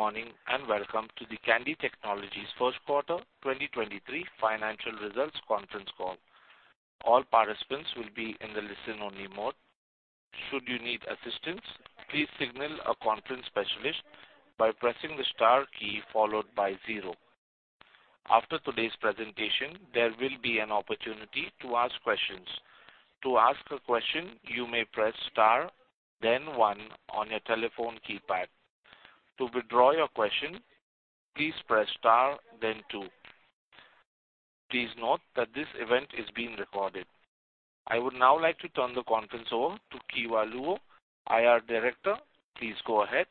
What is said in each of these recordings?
Good morning, welcome to the Kandi Technologies First Quarter 2023 Financial Results Conference Call. All participants will be in the listen-only mode. Should you need assistance, please signal a conference specialist by pressing the star key followed by zero. After today's presentation, there will be an opportunity to ask questions. To ask a question, you may press Star, then one on your telephone keypad. To withdraw your question, please press Star then two. Please note that this event is being recorded. I would now like to turn the conference over to Kewa Luo, IR Director. Please go ahead.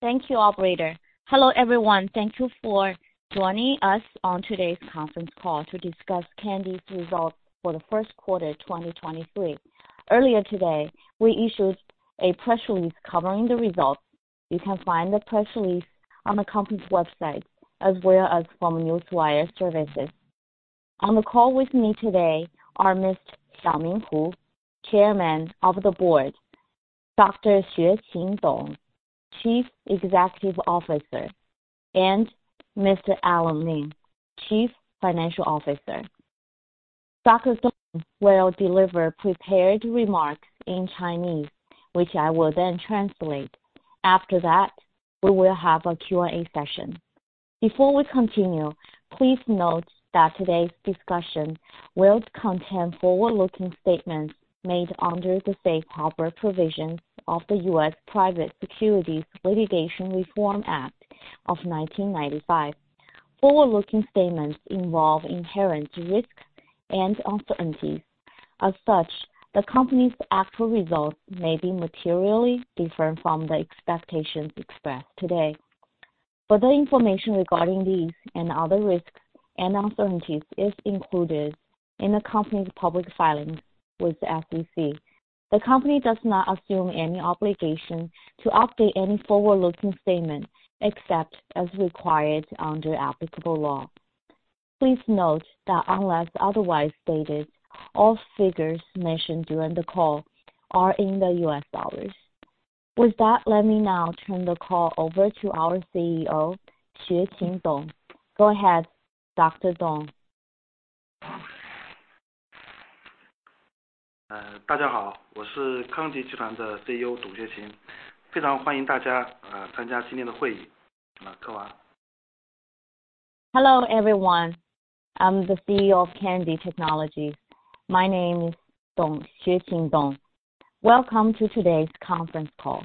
Thank you, operator. Hello, everyone. Thank you for joining us on today's conference call to discuss Kandi's results for the first quarter, 2023. Earlier today, we issued a press release covering the results. You can find the press release on the company's website as well as from Newswire services. On the call with me today are Mr. Xiaoming Hu, Chairman of the Board, Dr. Xueqin Dong, Chief Executive Officer, and Mr. Alan Lim, Chief Financial Officer. Dr. Dong will deliver prepared remarks in Chinese, which I will then translate. After that, we will have a Q&A session. Before we continue, please note that today's discussion will contain forward-looking statements made under the safe harbor provisions of the U.S. Private Securities Litigation Reform Act of 1995. Forward-looking statements involve inherent risks and uncertainties. As such, the company's actual results may be materially different from the expectations expressed today. Further information regarding these and other risks and uncertainties is included in the company's public filings with the SEC. The company does not assume any obligation to update any forward-looking statement except as required under applicable law. Please note that unless otherwise stated, all figures mentioned during the call are in the US dollars. With that, let me now turn the call over to our CEO, Xueqin Dong. Go ahead, Dr. Dong. Hello, everyone. I'm the CEO of Kandi Technology. My name is Dong, Xueqin Dong. Welcome to today's conference call.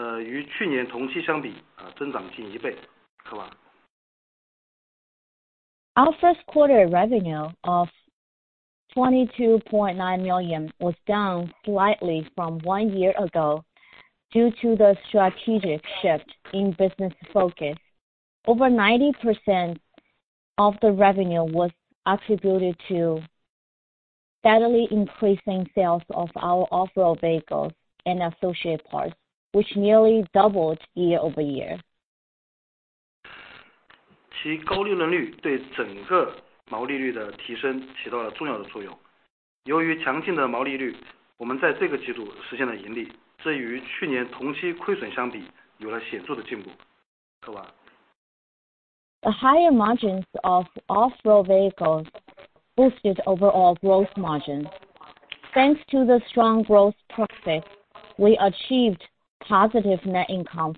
Our first quarter revenue of $22.9 million was down slightly from one year ago due to the strategic shift in business focus. Over 90% of the revenue was attributed to steadily increasing sales of our off-road vehicles and associated parts, which nearly doubled year-over-year. The higher margins of off-road vehicles boosted overall growth margins. Thanks to the strong growth prospects, we achieved positive net income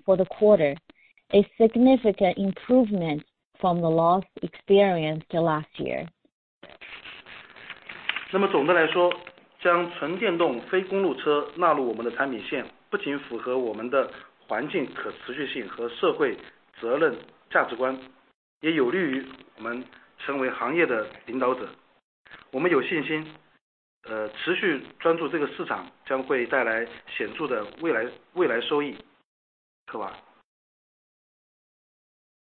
for the quarter, a significant improvement from the loss experienced last year.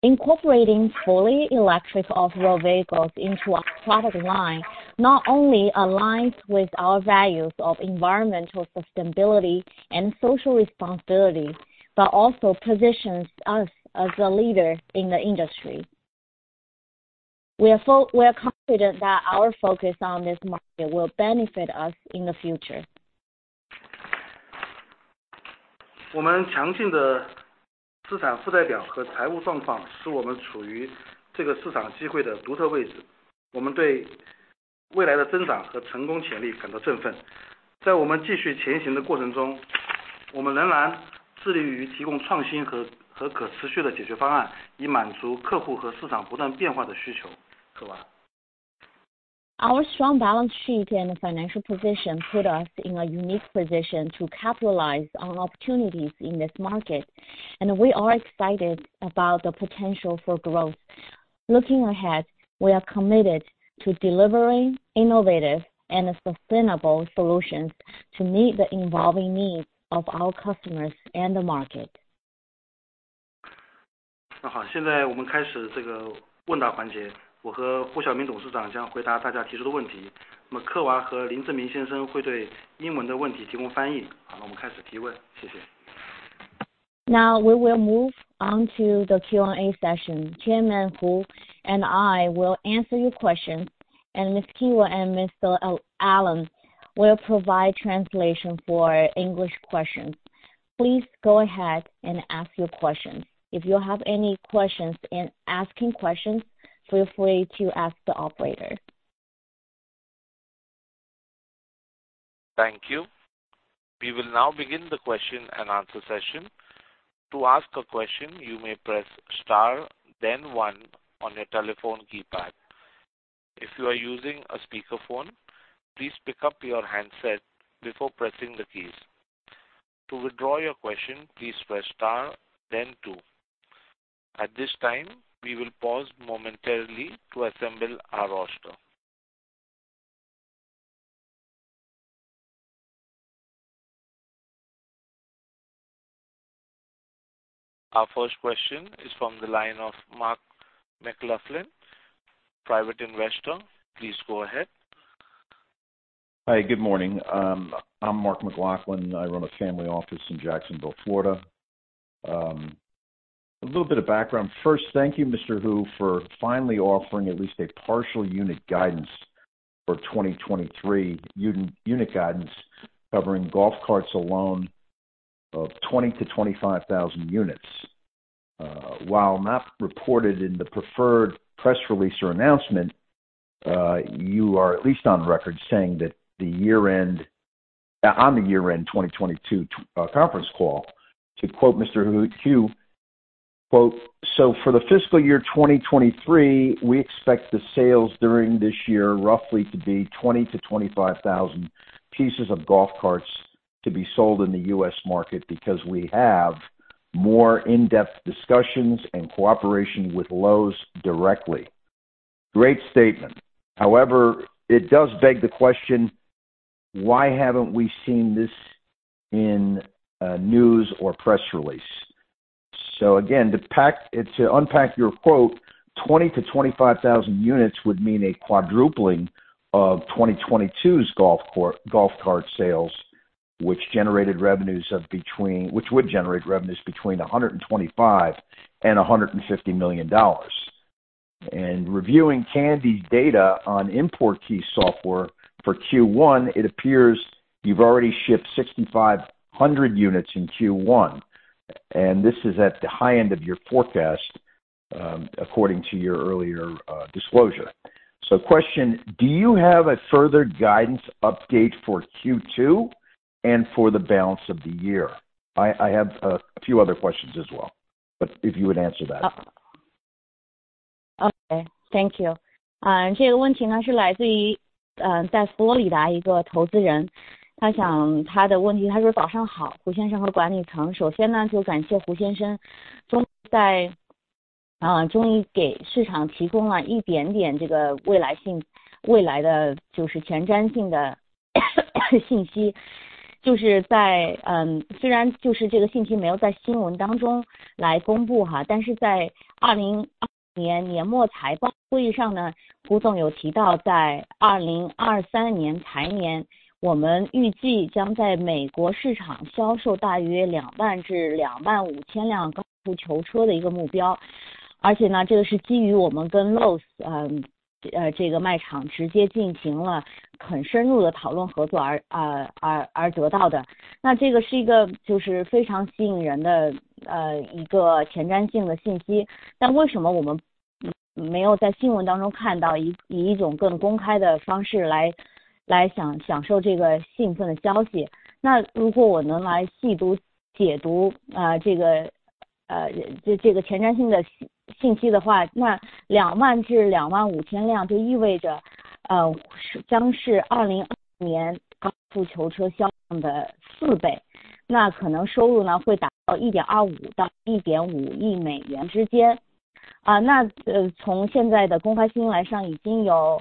Incorporating fully electric off-road vehicles into our product line not only aligns with our values of environmental sustainability and social responsibility, but also positions us as a leader in the industry. We are confident that our focus on this market will benefit us in the future. Our strong balance sheet and financial position put us in a unique position to capitalize on opportunities in this market, and we are excited about the potential for growth. Looking ahead, we are committed to delivering innovative and sustainable solutions to meet the evolving needs of our customers and the market. 好， 现在我们开始这个问答环 节， 我和胡晓明董事长将回答大家提出的问 题， 那么 Keawa 和林志明先生会对英文的问题提供翻译。好， 那我们开始提问。谢谢。Now we will move on to the Q&A session. Chairman Hu and I will answer your questions and Ms. Kewa Luo and Mr. Alan Lim will provide translation for English questions. Please go ahead and ask your questions. If you have any questions in asking questions, feel free to ask the operator. Thank you. We will now begin the question and answer session. To ask a question, you may press star then one on your telephone keypad. If you are using a speakerphone, please pick up your handset before pressing the keys. To withdraw your question, please press star then two. At this time, we will pause momentarily to assemble our roster. Our first question is from the line of Mark McLaughlin, private investor. Please go ahead. Good morning, I'm Mark McLaughlin. I run a family office in Jacksonville, Florida. A little bit of background first. Thank you Mr. Hu for finally offering at least a partial unit guidance for 2023 unit guidance covering golf carts alone of 20,000-25,000 units. While not reported in the preferred press release or announcement, you are at least on record saying that the year end, on the year end 2022 conference call. To quote Mr. Hu, quote: For the fiscal year 2023, we expect the sales during this year roughly to be 20,000-25,000 pieces of golf carts to be sold in the U.S. market because we have more in-depth discussions and cooperation with Lowe's directly. Great statement. However, it does beg the question, why haven't we seen this in news or press release? Again, to unpack your quote, 20,000-25,000 units would mean a quadrupling of 2022's golf cart sales, which generated revenues of between, which would generate revenues between $125 million and $150 million. Reviewing Kandi's data on ImportKey software for Q1, it appears you've already shipped 6,500 units in Q1, and this is at the high end of your forecast, according to your earlier disclosure. Question, do you have a further guidance update for Q2 and for the balance of the year? I have a few other questions as well, but if you would answer that. Okay，thank you。啊， 这个问题 呢， 是来自于 呃， 在佛罗里达一个投资 人， 他想他的问题。他说早上 好， 胡先生和管理层。首先 呢， 就感谢胡先生终 在， 啊， 终于给市场提供了一点点这个未来 性， 未来的就是前瞻性的信息。就是 在， 嗯， 虽然就是这个信息没有在新闻当中来公布 哈， 但是在二零二二年年末财报会议上 呢， 胡总有提 到， 在二零二三年财年，我们预计将在美国市场销售大约两万至两万五千辆高尔夫球车的一个目 标， 而且 呢， 这个是基于我们跟 Lowe's， 嗯， 呃， 这个卖场直接进行了很深入的讨论合 作， 而， 而， 而， 而得到的。那这个是一个就是非常吸引人 的， 呃， 一个前瞻性的信息。但为什么我们没有在新闻当中看 到， 以， 以一种更公开的方式来来 享， 享受这个兴奋的消息。那如果我能来细 读， 解 读， 啊， 这 个， 呃， 这， 这个前瞻性的 信， 信息的 话， 那两万至两万五千辆就意味 着， 呃， 将是二零二二年高尔夫球车销量的四 倍， 那可能收入呢会达到一点二五到一点五亿美元之间。啊， 那， 呃， 从现在的公开新闻来 上， 已经有，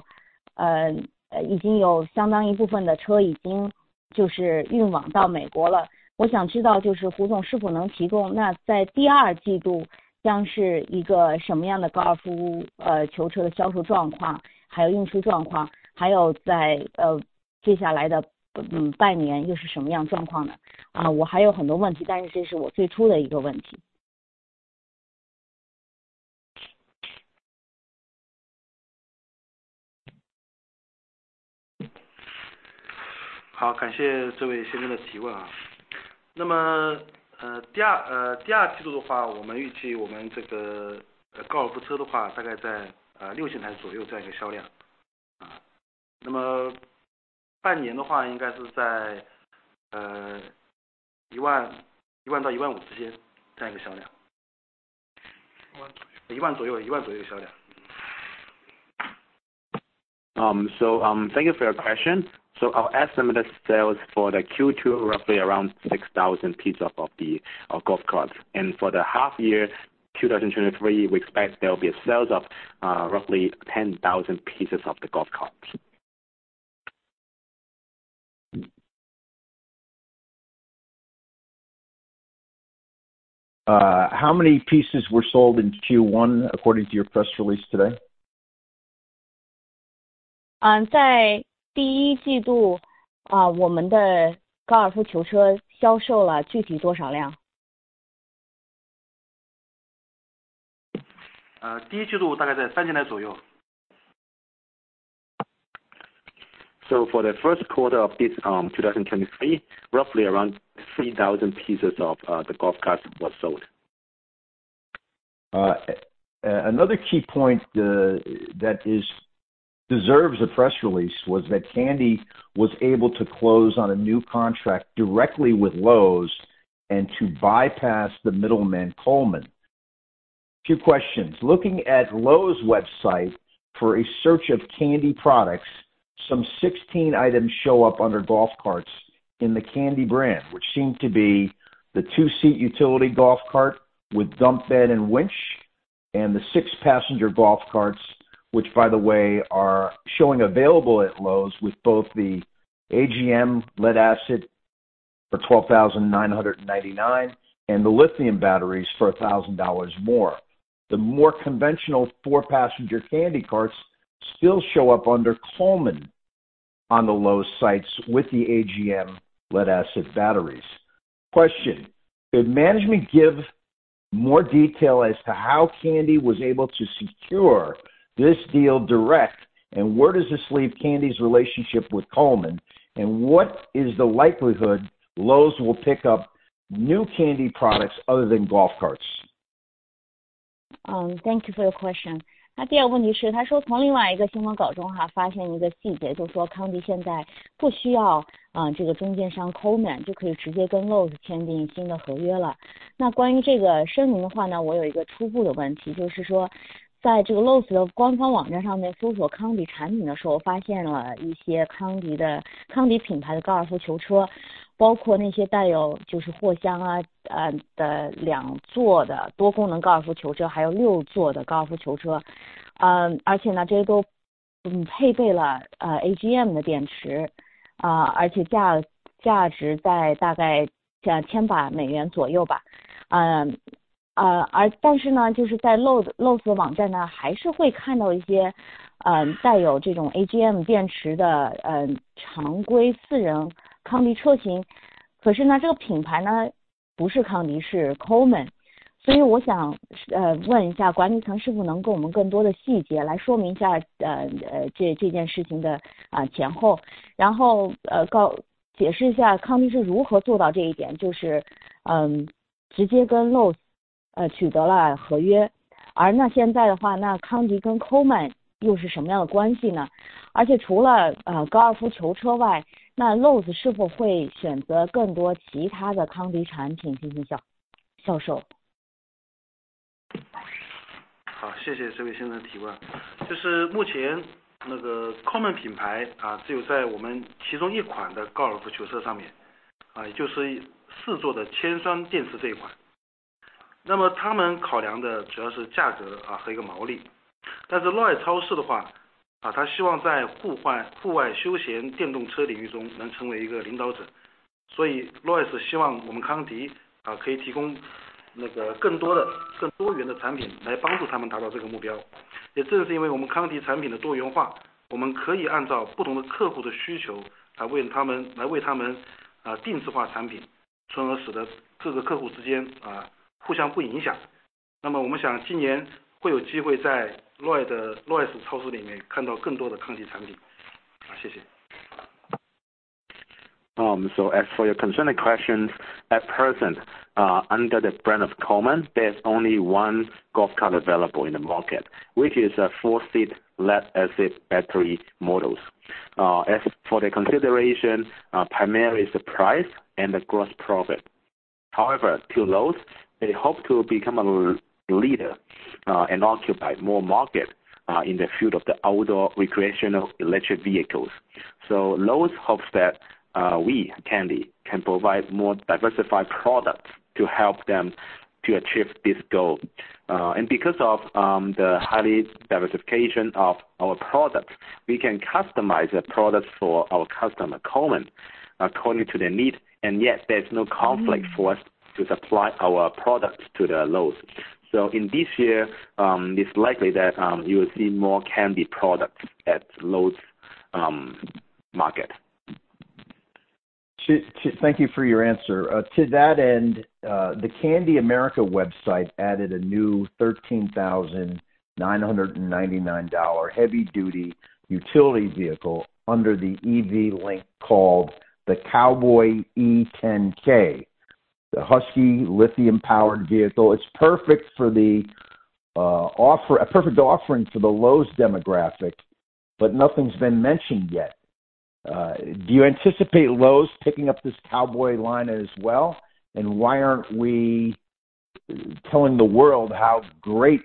呃， 已经有相当一部分的车已经就是运往到美国了。我想知道就是胡总是否能提供那在第二季度将是一个什么样的高尔 夫， 呃， 球车的销售状 况， 还有运输状 况， 还有 在， 呃， 接下来 的， 嗯， 半年又是什么样状况 呢？ 啊， 我还有很多问 题， 但是这是我最初的一个问题。好， 感谢这位先生的提问啊。那 么， 呃， 第 二， 呃， 第二季度的 话， 我们预计我们这个高尔夫车的 话， 大概 在， 呃， 六千台左右这样一个销量。啊。那么半年的话应该是 在， 呃， 一 万， 一万到一万五之间这样一个销量。一万左 右. 10,000 左 右， 10,000 左右的销量。Thank you for your question. Our estimated sales for the Q2 roughly around 6,000 pieces of the golf carts. For the half year 2023, we expect there will be a sales of roughly 10,000 pieces of the golf carts. How many pieces were sold in Q1 according to your press release today? 在第一季度啊我们的高尔夫球车销售了具体多少 辆？ 第一季度大概在 3,000 台左右。For the 1st quarter of this 2023, roughly around 3,000 pieces of the golf cart was sold. Another key point the that is deserves a press release was that Kandi was able to close on a new contract directly with Lowe's to bypass the middleman Coleman. Few questions. Looking at Lowe's website for a search of Kandi products, some 16 items show up under golf carts in the Kandi brand, which seem to be the two-seat utility golf cart with dump bed and winch, and the six-passenger golf carts, which by the way are showing available at Lowe's with both the AGM lead-acid for $12,999, and the lithium batteries for $1,000 more. The more conventional four-passenger Kandi carts still show up under Coleman on the Lowe's sites with the AGM lead-acid batteries. Question: Could management give more detail as to how Kandi was able to secure this deal direct? Where does this leave Kandi's relationship with Coleman? What is the likelihood Lowe's will pick up new Kandi products other than golf carts? Thank you for your question. 那第二个问题是他说从另外一个新闻稿中哈发现一个细 节， 就说 Kandi 现在不需要 啊， 这个中间商 Coleman 就可以直接跟 Lowe's 签订新的合约了。那关于这个声明的话 呢， 我有一个初步的问 题， 就是说在这个 Lowe's 的官方网站上面搜索 Kandi 产品的时 候， 发现了一些 Kandi 的 Kandi 品牌的高尔夫球 车， 包括那些带有就是货箱 啊， 啊的两座的多功能高尔夫球 车， 还有六座的高尔夫球车。嗯而且 呢， 这些都嗯配备了呃 AGM 的电池 啊， 而且价格价值在大概在千把美元左右吧。嗯呃而但是 呢， 就是在 Lowe's，Lowe's 的网站 呢， 还是会看到一些嗯带有这种 AGM 电池的嗯常规四人 Kandi车 型， 可是 呢， 这个品牌 呢， 不是 Kandi， 是 Coleman。所以我想是呃问一下管理层是否能给我们更多的细节来说明一 下， 呃这这件事情的啊前 后， 然后呃告解释一下 Kandi 是如何做到这一 点， 就是嗯直接跟 Lowe's 呃取得了合约。而那现在的 话， 那 Kandi 跟 Coleman 又是什么样的关系 呢？ 而且除了啊高尔夫球车 外， 那 Lowe's 是否会选择更多其他的 Kandi 产品进行销-销售。好，谢 谢这位先生的提问。就是目前那个 Coleman 品 牌， 只有在我们其中一款的高尔夫球车上 面， 也就是 4-seat 的铅酸电池这一款，那么他们考量的主要是价格和一个毛 利。Lowe's 超市的 话， 他希望在户外休闲电动车领域中能成为一个领导 者。Lowe's 希望我们 Kandi 可以提供那个更多的、更多元的产品来帮助他们达到这个目标。也正是因为我们 Kandi 产品的多元 化， 我们可以按照不同的客户的需求来为他们定制化产 品， 从而使得各个客户之间互相不影响。我们想今年会有机会在 Lowe's 超市里面看到更多的 Kandi 产 品。好，谢 谢。As for your concerned questions, at present, under the brand of Coleman, there's only one golf cart available in the market, which is a 4-seat lead-acid battery models. As for the consideration, primary is the price and the gross profit. However, to Lowe's, they hope to become a leader and occupy more market in the field of the outdoor recreational electric vehicles. Lowe's hopes that we, Kandi, can provide more diversified products to help them to achieve this goal. Because of the highly diversification of our products, we can customize the products for our customer Coleman according to their needs. Yet there's no. 嗯。...conflict for us to supply our products to the Lowe's. In this year, it's likely that you will see more Kandi products at Lowe's market. Thank you for your answer. To that end, the Kandi America website added a new $13,999 heavy-duty utility vehicle under the EV link called the Cowboy e10K, the husky lithium-powered vehicle. It's perfect for a perfect offering for the Lowe's demographic, nothing's been mentioned yet. Do you anticipate Lowe's picking up this Cowboy line as well? Why aren't we telling the world how great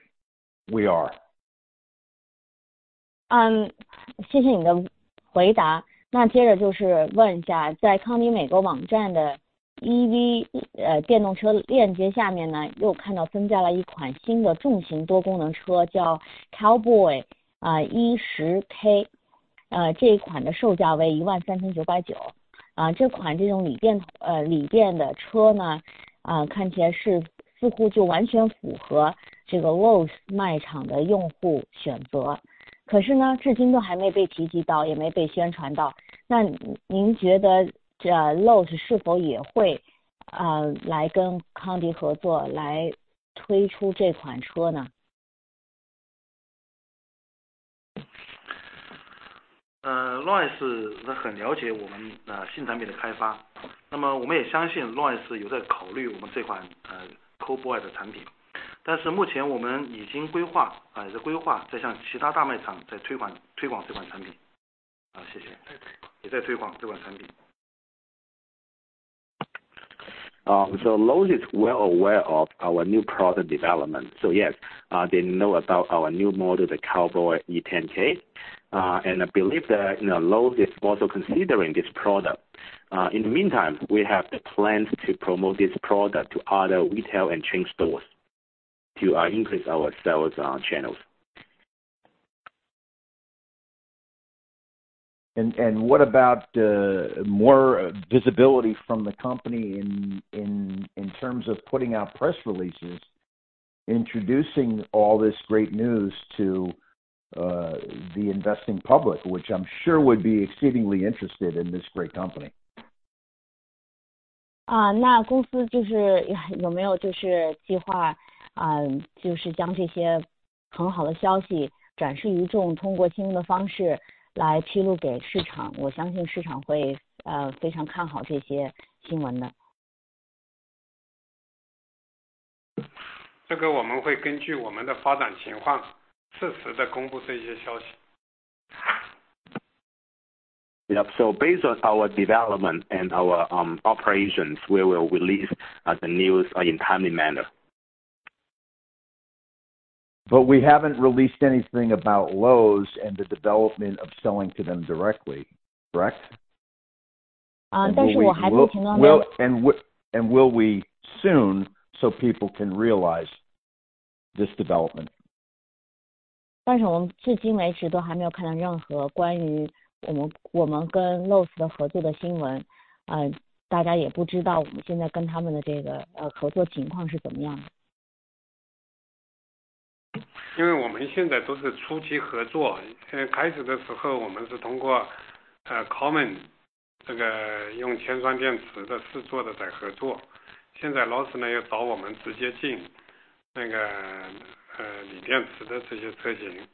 we are? 嗯谢谢你的回答。那接着就是问一 下， 在 Kandi 美国网站的 EV 呃电动车链接下面 呢， 又看到增加了一款新的重型多功能 车， 叫 Cowboy 啊 E10K呃 这一款的售价为一万三千九百九。啊这款这种锂电呃锂电的车 呢， 啊看起来是似乎就完全符合这个 Lowe's 卖场的用户选择。可是 呢， 至今都还没被提及 到， 也没被宣传到。那您觉得这 Lowe's 是否也会啊来跟康迪合作来推出这款车 呢？ Lowe's 很了解我们新产品的开发。我们也相信 Lowe's 有在考虑我们这款 Cowboy 的产品。目前我们已经规划在向其他大卖场在推广这款产品。谢谢。在推广。也在推广这款产品。The Lowe's is well aware of our new product development. Yes, they know about our new model, the Cowboy e10K. I believe that, you know, Lowe's is also considering this product. In the meantime, we have the plans to promote this product to other retail and chain stores to increase our sales channels. What about the more visibility from the company in terms of putting out press releases, introducing all this great news to the investing public, which I'm sure would be exceedingly interested in this great company. 那公司就是有没有就是计 划， 就是将这些很好的消息展示于 众， 通过新闻的方式来披露给市 场， 我相信市场会非常看好这些新闻的。这个我们会根据我们的发展情况适时地公布这些消息。Based on our development and our operations, we will release the news in a timely manner. We haven't released anything about Lowe's and the development of selling to them directly. Correct? 但是我还 will. 听到 Will we soon so people can realize this development. 我们至今为止都还没有看到任何关于我们跟 Lowe's 的合作的新闻。大家也不知道我们现在跟他们的这个合作情况是怎么样的。因为我们现在都是初期合 作， 开始的时候我们是通过 Coleman 这个用铅酸电池的试做的在合作。现在 Lowe's 呢又找我们直接进那个锂电池的这些车 型，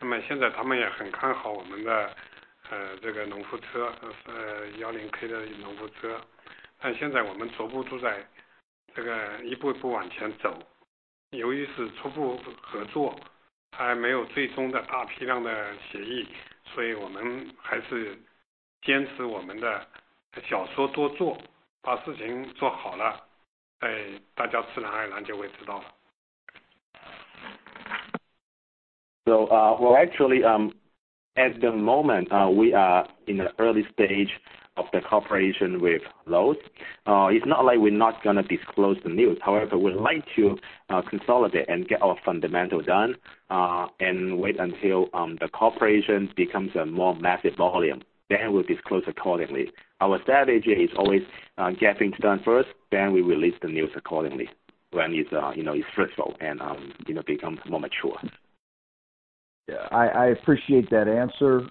那么现在他们也很看好我们的这个农夫 车， 10K 的农夫 车， 但现在我们逐步都在这个一步一步往前走。由于是初步合 作， 还没有最终的大批量的协 议， 所以我们还是坚持我们的少说多 做， 把事情做好 了， 大家自然而然就会知道了。Well, actually, at the moment, we are in the early stage of the cooperation with Lowe's. It's not like we're not going to disclose the news. However, we'd like to consolidate and get our fundamentals done, and wait until the cooperation becomes a more massive volume, then we'll disclose accordingly. Our strategy is always getting things done first, then we release the news accordingly. When it's, you know, it's fruitful and you know, becomes more mature. Yeah, I appreciate that answer.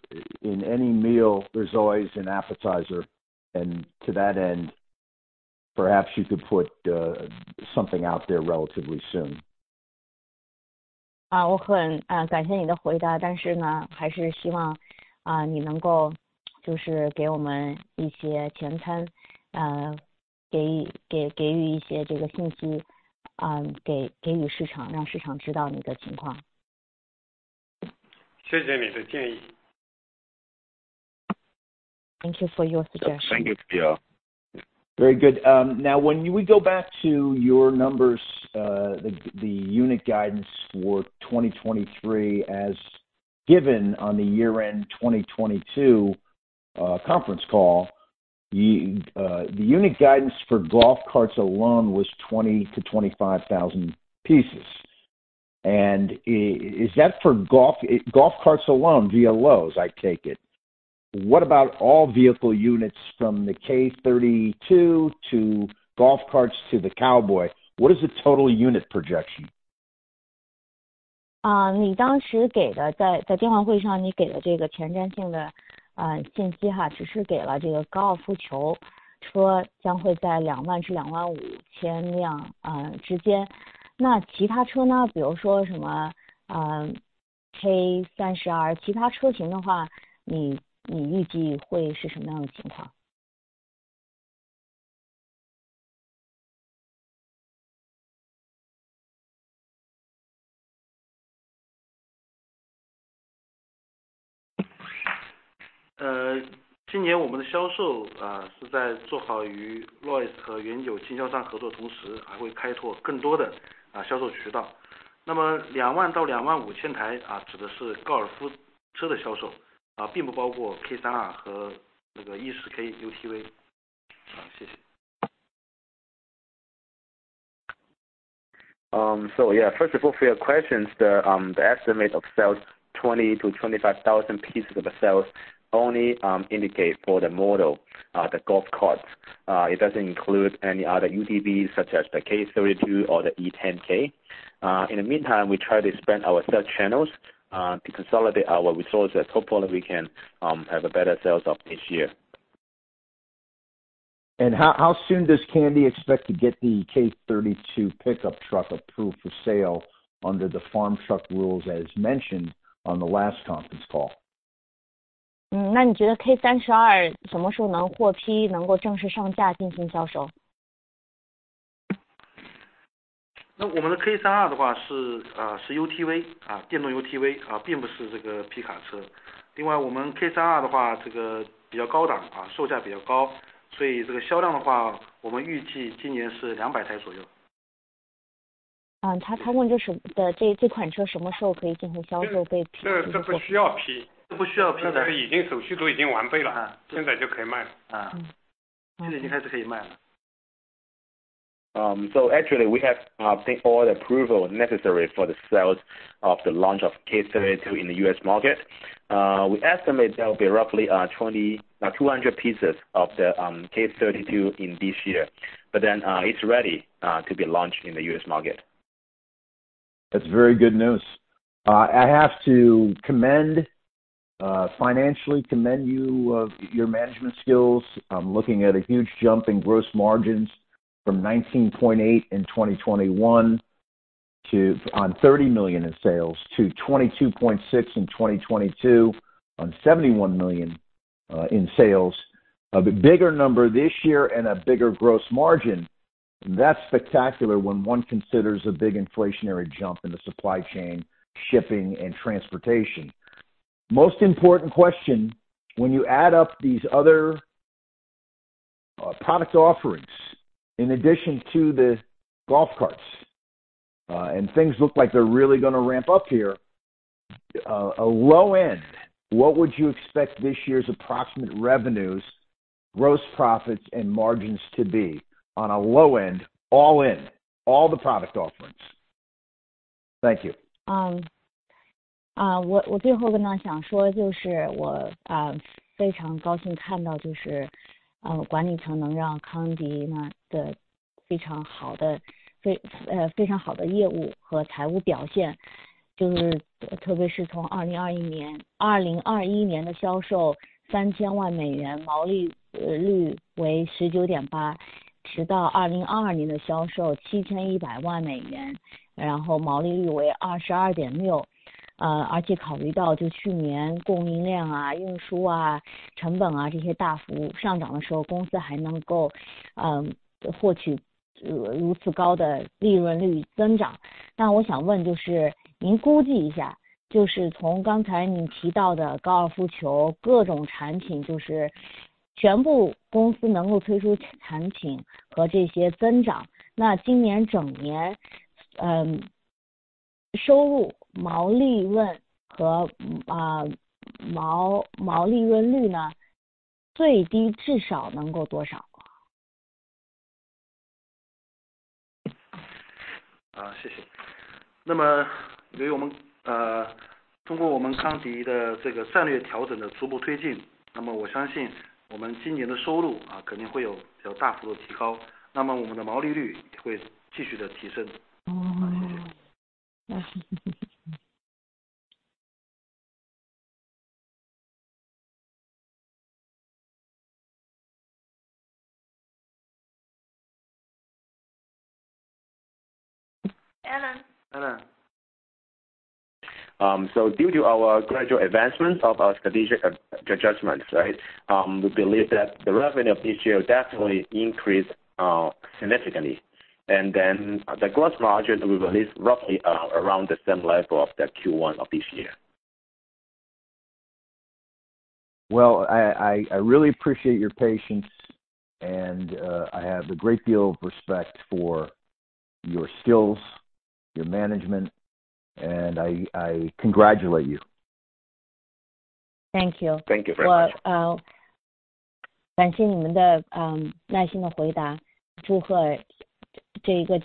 In any meal, there's always an appetizer. To that end, perhaps you could put something out there relatively soon. 我很感谢你的回 答， 但是 呢， 还是希望你能够就是给我们一些前 瞻， 给予一些这个信 息， 给予市 场， 让市场知道你的情况。谢谢你的建 议. Thank you for your suggestion. Thank you. Very good. Now when we go back to your numbers, the unit guidance for 2023 as given on the year-end 2022 conference call, the unit guidance for golf carts alone was 20,000-25,000 pieces. Is that for golf carts alone via Lowe's, I take it? What about all vehicle units from the K32 to golf carts to the Cowboy? What is the total unit projection? 你当时给的 在， 在电话会议上你给的这个前瞻性的信 息， 只是给了这个高尔夫球车将会在 20,000-25,000 辆之间。那其他车 呢？ 比如说什么 K32， 其他车型的 话， 你预计会是什么样的情 况？ 今年我们的销售是在做好与 Lowe's 和原有经销商合作同时还会开拓更多的销售渠道。20,000-25,000 台， 指的是高尔夫车的销 售， 并不包括 K32 和那个 E10K UTV。好， 谢谢。Yeah, first of all, for your questions there, the estimate of sales 20,000-25,000 pieces of the sales only, indicate for the model, the golf carts. It doesn't include any other UTV such as the K-32 or the e-10K. In the meantime, we try to expand our sales channels, to consolidate our resources, hopefully we can, have a better sales off this year. How soon does Kandi expect to get the K32 pickup truck approved for sale under the farm truck rules, as mentioned on the last conference call? Actually we have taken all the approval necessary for the sales of the launch of K32 in the US market. We estimate there will be roughly 200 pieces of the K32 in this year. It's ready to be launched in the US market. That's very good news. I have to commend, financially commend you of your management skills. I'm looking at a huge jump in gross margins from 19.8 in 2021 on $30 million in sales, to 22.6 in 2022 on $71 million in sales. A bigger number this year and a bigger gross margin. That's spectacular when one considers a big inflationary jump in the supply chain, shipping and transportation. Most important question, when you add up these other product offerings in addition to the golf carts, and things look like they're really going to ramp up here. A low end, what would you expect this year's approximate revenues, gross profits and margins to be on a low end, all in, all the product offerings? Thank you. Um, I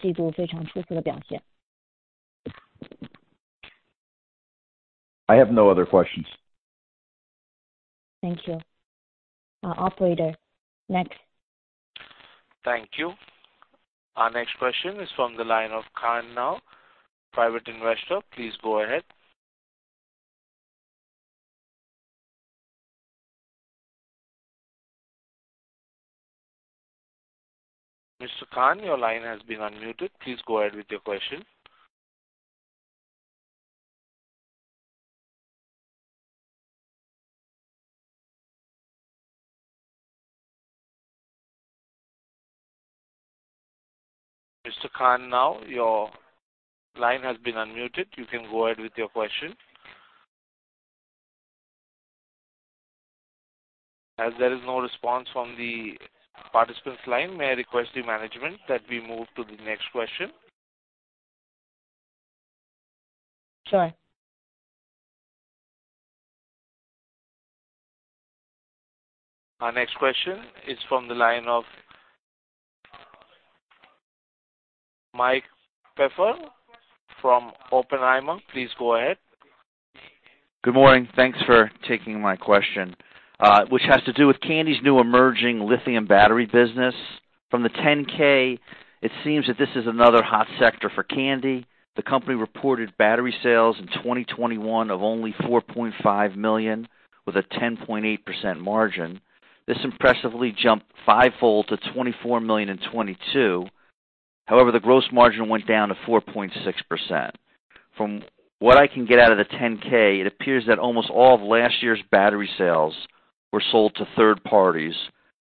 have no other questions. Thank you. Operator. Next. Thank you. Our next question is from the line of Khan. Private investor, please go ahead. Mr. Khan, your line has been unmuted. Please go ahead with your question. Mr. Khan, now your line has been unmuted. You can go ahead with your question. As there is no response from the participant's line, may I request the management that we move to the next question? Sorry. Our next question is from the line of Mike Pfeffer from Oppenheimer. Please go ahead. Good morning. Thanks for taking my question, which has to do with Kandi's new emerging lithium battery business. From the 10-K, it seems that this is another hot sector for Kandi. The company reported battery sales in 2021 of only $4.5 million with a 10.8% margin. This impressively jumped fivefold to $24 million in 2022. The gross margin went down to 4.6%. From what I can get out of the 10-K, it appears that almost all of last year's battery sales were sold to third parties,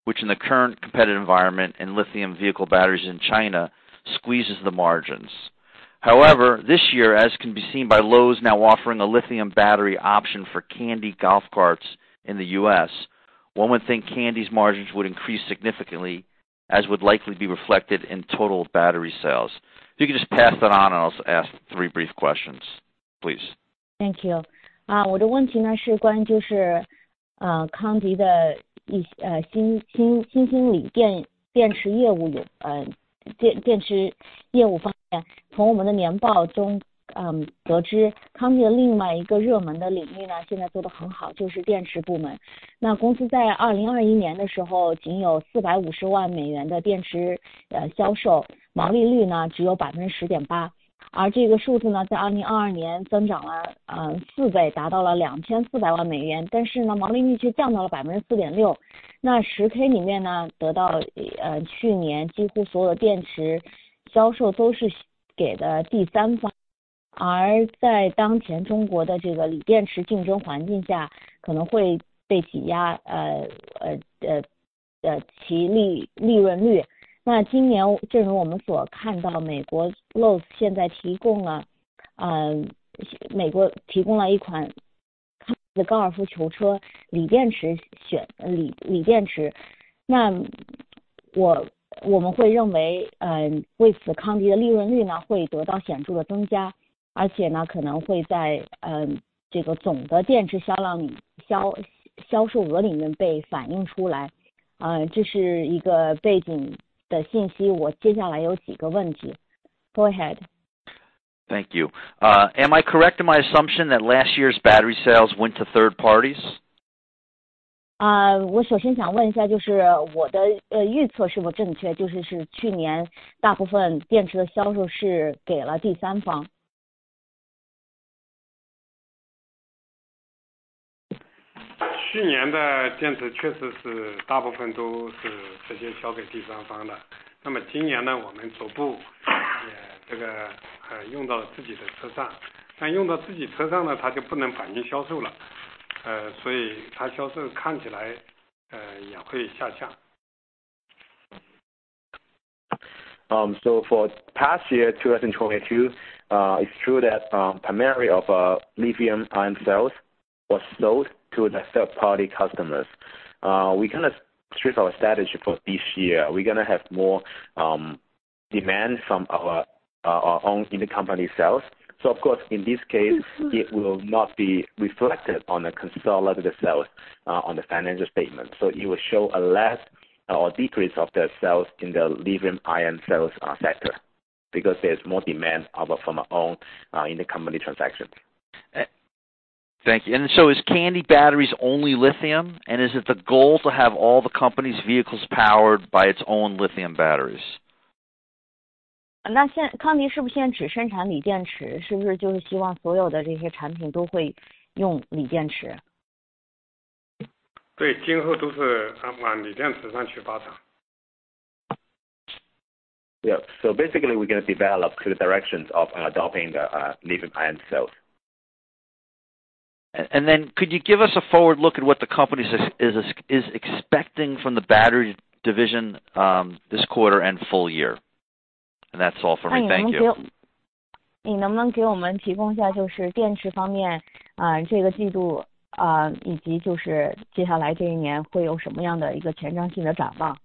which in the current competitive environment and lithium vehicle batteries in China squeezes the margins. However, this year, as can be seen by Lowe's now offering a lithium battery option for Kandi golf carts in the U.S., one would think Kandi's margins would increase significantly, as would likely be reflected in total battery sales. If you could just pass that on and I'll ask three brief questions, please. Thank you. 我的问题呢是关于就是 Kandi 的一新经理电池业务有 电池业务方面， 从我们的年报中得 知， Kandi 的另外一个热门的领域 呢， 现在做得很 好， 就是电池部门。公司在2021年的时候仅有 $4.5 million 的电池销 售， 毛利率呢只有 10.8%， 这个数字 呢， 在2022年增长了 4x， 达到了 $24 million， 毛利率却降到了 4.6%。10-K 里面 呢， 得到去年几乎所有电池销售都是给的第三 方， 在当前中国的这个锂电池竞争环境 下， 可能会被挤压其利润率。今年正如我们所看 到， 美国 Lowe's 现在提供了美国提供了一款高尔夫球车锂电池选 锂电池， 我们会认为为此 Kandi 的利润率 呢， 会得到显著的增 加， 可能会在这个总的电池销售额里面被反映出来。这是一个背景的信 息， 我接下来有几个问题。Go ahead. Thank you. Am I correct in my assumption that last year's battery sales went to third parties? 我首先想问一 下， 就是我的预测是否正 确， 就是是去年大部分电池的销售是给了第三方？去年的电池确实是大部分都是直接交给第三方的。那么今年 呢， 我们逐步也这个用到自己的车 上， 但用到自己车上 呢， 它就不能反映销售 了， 所以它销售看起来也会下降。For past year, 2022, it's true that primarily of a lithium-ion cells was sold to the third-party customers. We're going to have more demand from our own in the company sales. Of course in this case it will not be reflected on the consolidated sales on the financial statement. It will show a less or decrease of the sales in the lithium-ion cells sector because there's more demand from our own in the company transaction. Thank you. Is Kandi batteries only lithium? Is it the goal to have all the company's vehicles powered by its own lithium batteries? 现 Kandi 是不是现在只生产锂电 池？ 是不是就是希望所有的这些产品都会用锂电 池？ 对， 今后都是往锂电池上去发展。Basically we're going to develop to the directions of adopting the lithium-ion cells. Could you give us a forward look at what the company is expecting from the battery division, this quarter and full year? That's all for me. Thank you. 你能不能给我们提供一 下， 就是电池方面 啊， 这个季度 啊， 以及就是接下来这一年会有什么样的一个前瞻性的展望。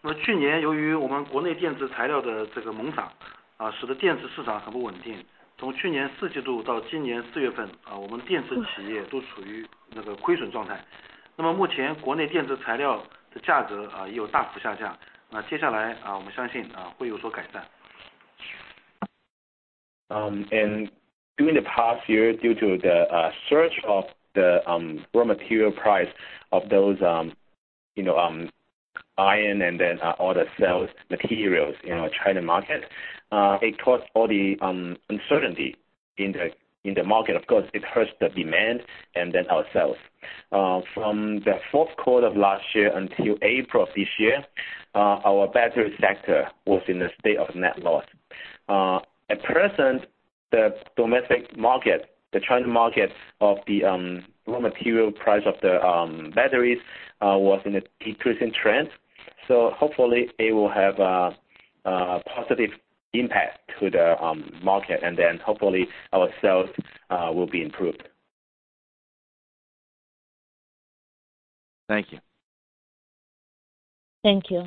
那去年由于我们国内电子材料的这个猛涨，使得电子市场很不稳 定， 从去年四季度到今年四月 份， 我们电子企业都处于那个亏损状态。那么目前国内电子材料的价格也有大幅下 降， 那接下 来， 我们相信会有所改善。During the past year, due to the search of the raw material price of those, you know, iron and then all the cells materials in China market, it caused all the uncertainty in the market. Of course, it hurts the demand. Ourselves, from the fourth quarter of last year until April of this year, our battery sector was in a state of net loss. At present, the domestic market, the China market of the raw material price of the batteries, was in a decreasing trend. Hopefully it will have a positive impact to the market, and then hopefully our sales will be improved. Thank you. Thank you.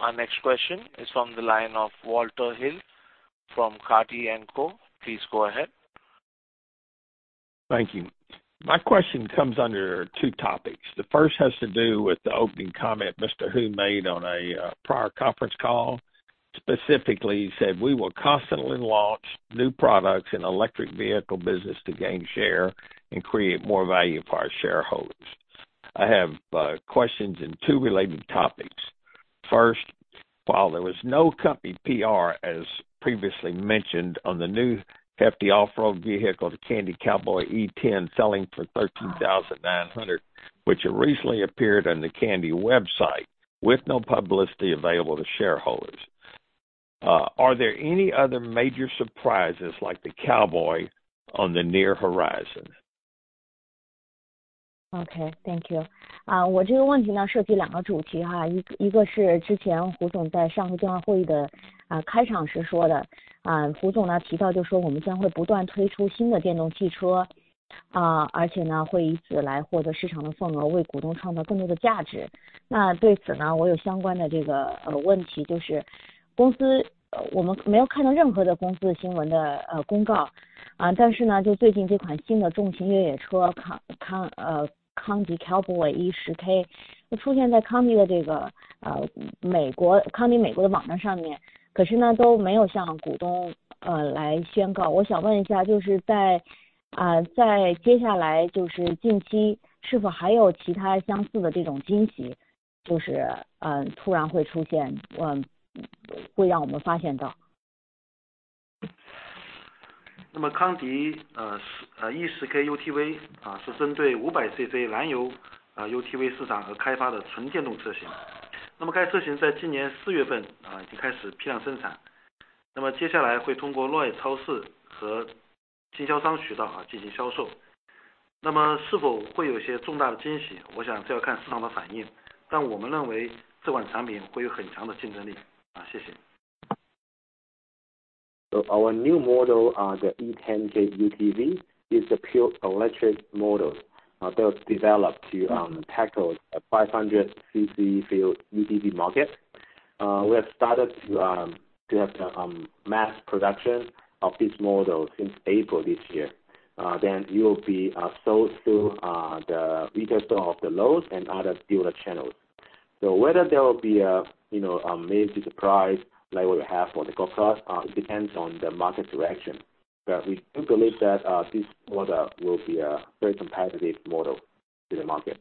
Our next question is from the line of Walter Hill from Carty & Company. Please go ahead. Thank you. My question comes under two topics. The first has to do with the opening comment Mr. Hu made on a prior conference call. Specifically, he said "We will constantly launch new products in electric vehicle business to gain share and create more value for our shareholders." I have questions in two related topics. First, while there was no company PR as previously mentioned on the new hefty off-road vehicle, the Kandi Cowboy e10K selling for $13,900, which originally appeared on the Kandi website with no publicity available to shareholders. Are there any other major surprises like the Cowboy on the near horizon? Okay, thank you。啊我这个问题 呢， 涉及两个主题 哈， 一-一个是之前胡总在上次电话会议的啊开场时说的。啊胡总呢提到就说我们将会不断推出新的电动汽 车， 啊而且呢会以此来获得市场的份 额， 为股东创造更多的价值。那对此 呢， 我有相关的这个 呃， 问题就是公司——呃我们没有看到任何的公司新闻的 呃， 公告 啊， 但是 呢， 就最近这款新的重型越野车 Can-Can-uh，Kandi Cowboy E10K 就出现在 Kandi 的这个 呃， 美国 Kandi 美国的网站上 面， 可是 呢， 都没有向股 东， 呃， 来宣告。我想问一 下， 就是 在， 啊， 在接下来就是近期是否还有其他相似的这种惊 喜， 就 是， 嗯， 突然会出 现， 嗯， 会让我们发现到。那么 Kandi， 呃 ，E10K UTV 啊， 是针对五百 CC 燃 油， 啊 UTV 市场而开发的纯电动车型。那么该车型在今年四月 份， 啊， 已经开始批量生 产， 那么接下来会通过 Lowes 超市和经销商渠道进行销售。那么是否会有一些重大的惊 喜， 我想这要看市场的反 应， 但我们认为这款产品会有很强的竞争力。啊， 谢谢。Our new model, the e10K UTV, is a pure electric model, that's developed to tackle the 500cc field UTV market. We have started to have the mass production of this model since April this year. It'll be sold through the retail store of the Lowe's and other dealer channels. Whether there will be a, you know, a major surprise like what we have for the Golf cars, it depends on the market direction, but we do believe that this model will be a very competitive model to the market.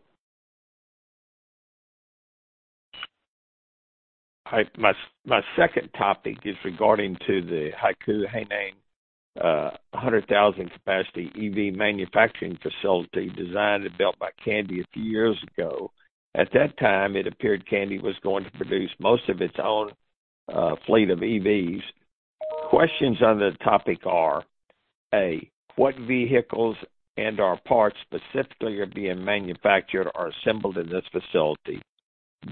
My, my second topic is regarding to the Haikou, Hainan 100,000 capacity EV manufacturing facility designed and built by Kandi a few years ago. At that time, it appeared Kandi was going to produce most of its own fleet of EVs. Questions on the topic are: A. What vehicles and/or parts specifically are being manufactured or assembled in this facility?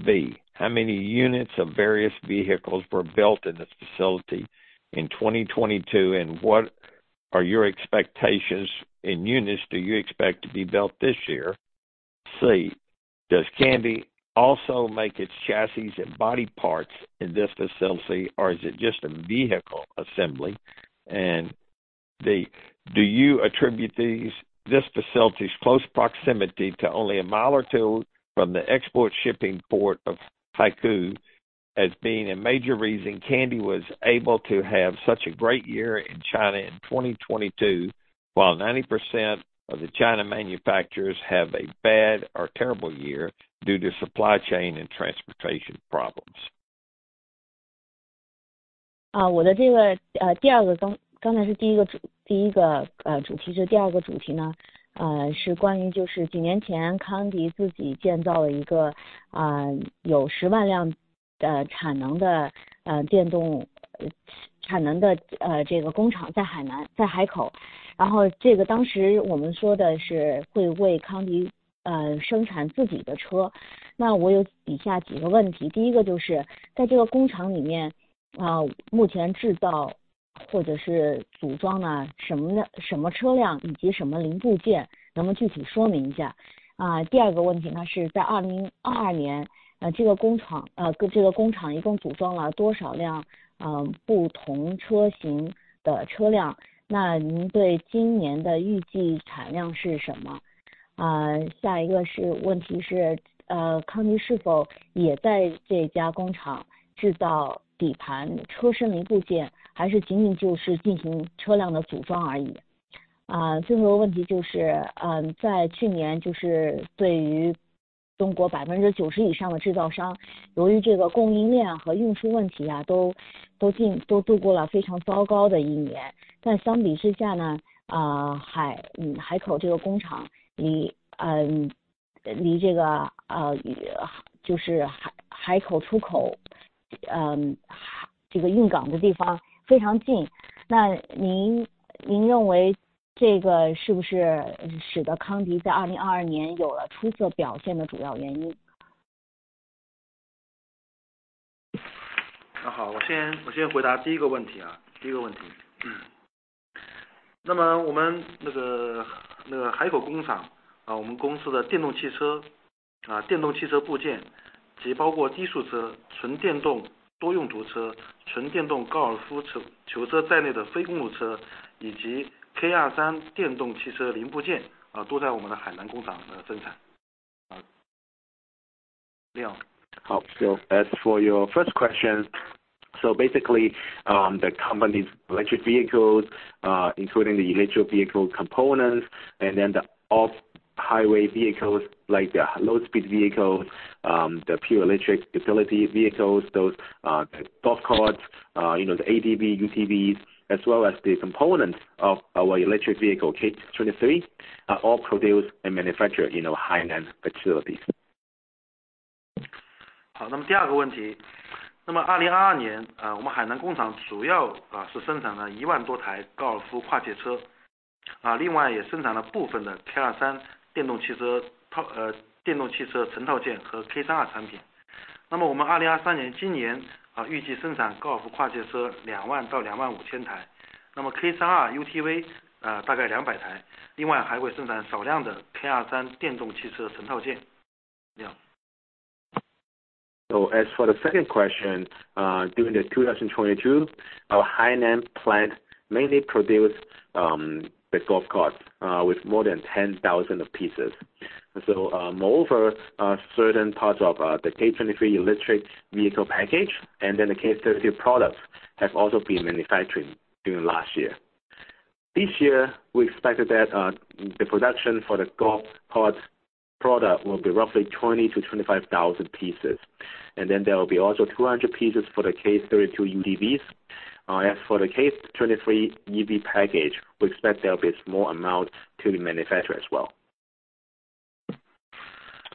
B. How many units of various vehicles were built in this facility in 2022, and what are your expectations in units do you expect to be built this year? C. Does Kandi also make its chassis and body parts in this facility, or is it just a vehicle assembly? Do you attribute this facility's close proximity to only a mile or two from the export shipping port of Haikou as being a major reason Kandi was able to have such a great year in China in 2022, while 90% of the China manufacturers have a bad or terrible year due to supply chain and transportation problems? 我的这个第二 个， 刚才是第一个主题。这第二个主题 呢， 是关于就是几年前 Kandi 自己建造了一个有 100,000 辆的产能的电动产能的这个工厂在 海南， 在 海口， 然后这个当时我们说的是会为 Kandi 生产自己的车。那我有以下几个问 题， 第一个就是在这个工厂里 面， 目前制造或者是组装的什么 的， 什么车辆以及什么零部 件， 能不能具体说明一 下？ 第二个问题 呢， 是在2022 年， 这个 工厂， 这个工厂一共组装了多少辆不同车型的车 辆， 那您对今年的预计产量是什 么？ 下一个问题 是， Kandi 是否也在这家工厂制造底盘、车身零部 件， 还是仅仅就是进行车辆的组装而 已？ 最后一个问题就 是， 在去年就是对于中国 90% 以上的制造 商， 由于这个供应链和运输问 题， 都度过了非常糟糕的一年。相比之下 呢， 海口这个工厂离这个就是海口出口运港的地方非常近。您认为这个是不是使得 Kandi 在2022年有了出色表现的主要原 因？ 我 先， 我先回答第一个问题 啊， 第一个问题。那么我们那 个， 那个海口工厂 啊， 我们公司的电动汽 车， 啊电动汽车部 件， 即包括低速车、纯电动多用途车、纯电动高尔夫车-球车在内的非公路 车， 以及 K23 电动汽车零部件 啊， 都在我们的海南工厂来生产。啊。好， 所以 ，as for your first question. Basically, the company's electric vehicles, including the electric vehicle components, and then the off-highway vehicles like the low-speed vehicle, the pure electric utility vehicles, those, the golf carts, you know, the ADV, UTVs, as well as the components of our electric vehicle K23, are all produced and manufactured in our Hainan facilities. 第二个问题。2022 年， 我们海南工厂主要是生产了 10,000 多台高尔夫跨界 车， 另外也生产了部分的 K23 电动汽车成套件和 K32 产品。我们2023年今 年， 预计生产高尔夫跨界车 20,000-25,000 台， K32 UTV， 大概200 台。另外还会生产少量的 K23 电动汽车成套件。As for the second question, during 2022, our Hainan plant mainly produced the golf cart with more than 10,000 pieces. Moreover, certain parts of the K23 electric vehicle package, and then the K32 products have also been manufactured during last year. This year, we expected that the production for the golf cart product will be roughly 20,000-25,000 pieces, and then there will be also 200 pieces for the K32 UTVs. As for the K23 EV package, we expect there will be small amount to be manufactured as well.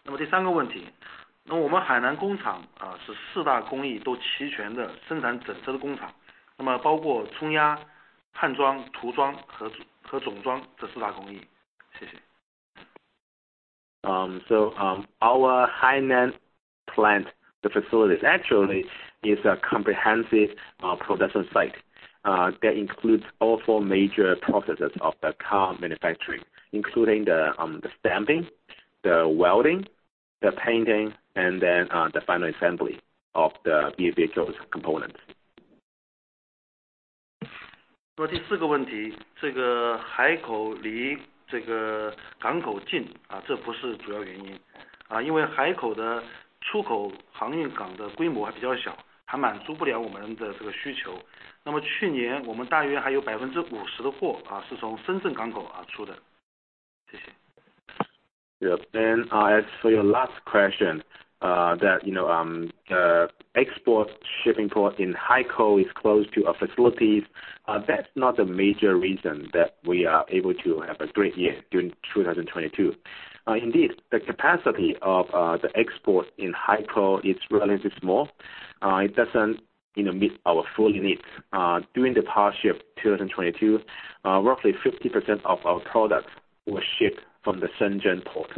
那么第三个问 题， 那我们海南工厂 啊， 是四大工艺都齐全的生产整车的工 厂， 那么包括冲压、焊装、涂装和，和总装这四大工艺。谢谢。Our Hainan plant, the facilities actually is a comprehensive production site that includes all four major processes of the car manufacturing, including the stamping, the welding, the painting, and then the final assembly of the vehicle's components. 那么第四个问 题， 这个海口离这个港口 近， 啊这不是主要原因。啊因为海口的出口行业港的规模还比较 小， 还满足不了我们的这个需求。那么去年我们大约还有百分之五十的货 啊， 是从深圳港口啊出的。谢谢。Yes, as for your last question, that, you know, the export shipping port in Haikou is close to our facilities, that's not the major reason that we are able to have a great year during 2022. Indeed, the capacity of the exports in Haikou is relatively small, it doesn't, you know, meet our full needs. During the past year of 2022, roughly 50% of our products were shipped from the Shenzhen port.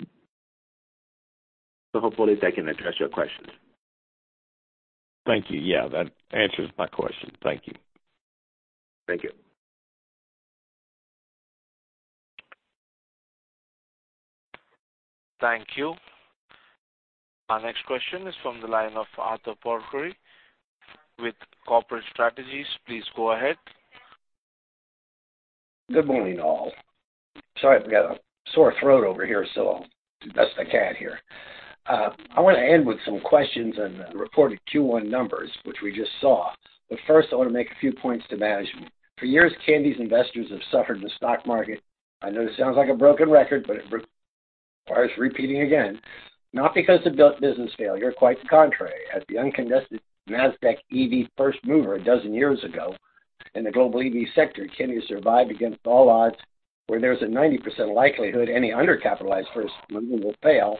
Hopefully that can address your question. Thank you. Yeah, that answers my question. Thank you. Thank you. Thank you. Our next question is from the line of Arthur Porcari with Corporate Strategies. Please go ahead. Good morning all. Sorry, I've got a sore throat over here, I'll do the best I can here. I want to end with some questions on the reported Q1 numbers, which we just saw. First, I want to make a few points to management. For years, Kandi's investors have suffered in the stock market. I know this sounds like a broken record, but it requires repeating again, not because of business failure, quite the contrary. As the uncontested Nasdaq EV first mover a dozen years ago in the global EV sector, Kandi survived against all odds, where there's a 90% likelihood any undercapitalized first mover will fail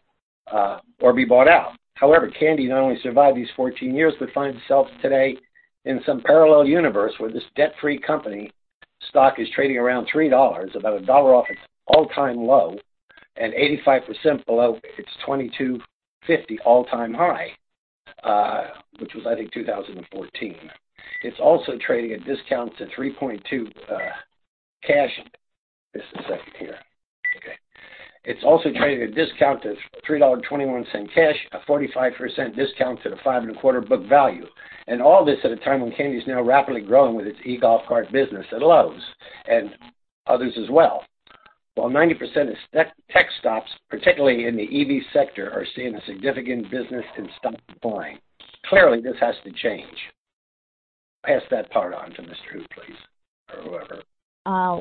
or be bought out. Kandi not only survived these 14 years, but finds itself today in some parallel universe where this debt-free company stock is trading around $3, about $1 off its all-time low, and 85% below its $22.50 all-time high, which was I think 2014. It's also trading at discounts at 3.2 cash. Just a second here. Okay. It's also trading at a discount to $3.21 cash, a 45% discount to the five and a quarter book value. All this at a time when Kandi is now rapidly growing with its e-golf cart business at Lowe's and others as well. While 90% of tech stocks, particularly in the EV sector, are seeing a significant business and stock decline. Clearly, this has to change. Pass that part on to Mr. Hu, please, or whoever.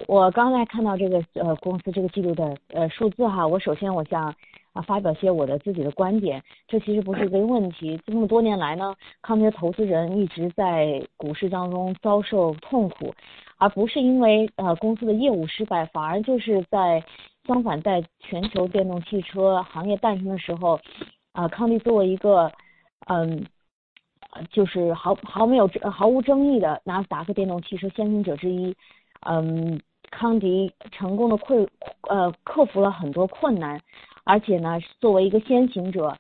我刚才看到这 个, 公司这个季度 的, 数 字, 我首先我想发表些我的自己的观 点, 这其实不是个问题。这么多年 来, Kandi 的投资人一直在股市当中遭受痛 苦, 不是因为公司的业务失 败, 反而就是在相 反, 在全球电动汽车行业诞生的时 候, Kandi 作为一个毫无争议的 Nasdaq 电动汽车先行者之一, Kandi 成功地克服了很多困 难, 而且作为一个先行 者,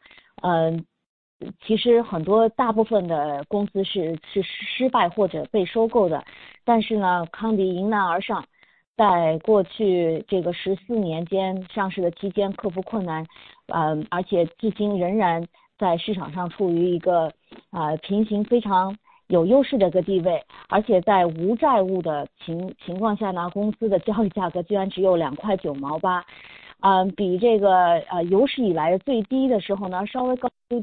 其实很多大部分的公司是去失败或者被收购的。Kandi 迎难而上在过去这个14年间上市的期间克服困 难, 而且至今仍然在市场上处于一个平衡非常有优势的一个地位,而且在无债务的情况 下, 公司的交易价格居然只有 $2.98。比这个有史以来最低的时候稍微 高, 比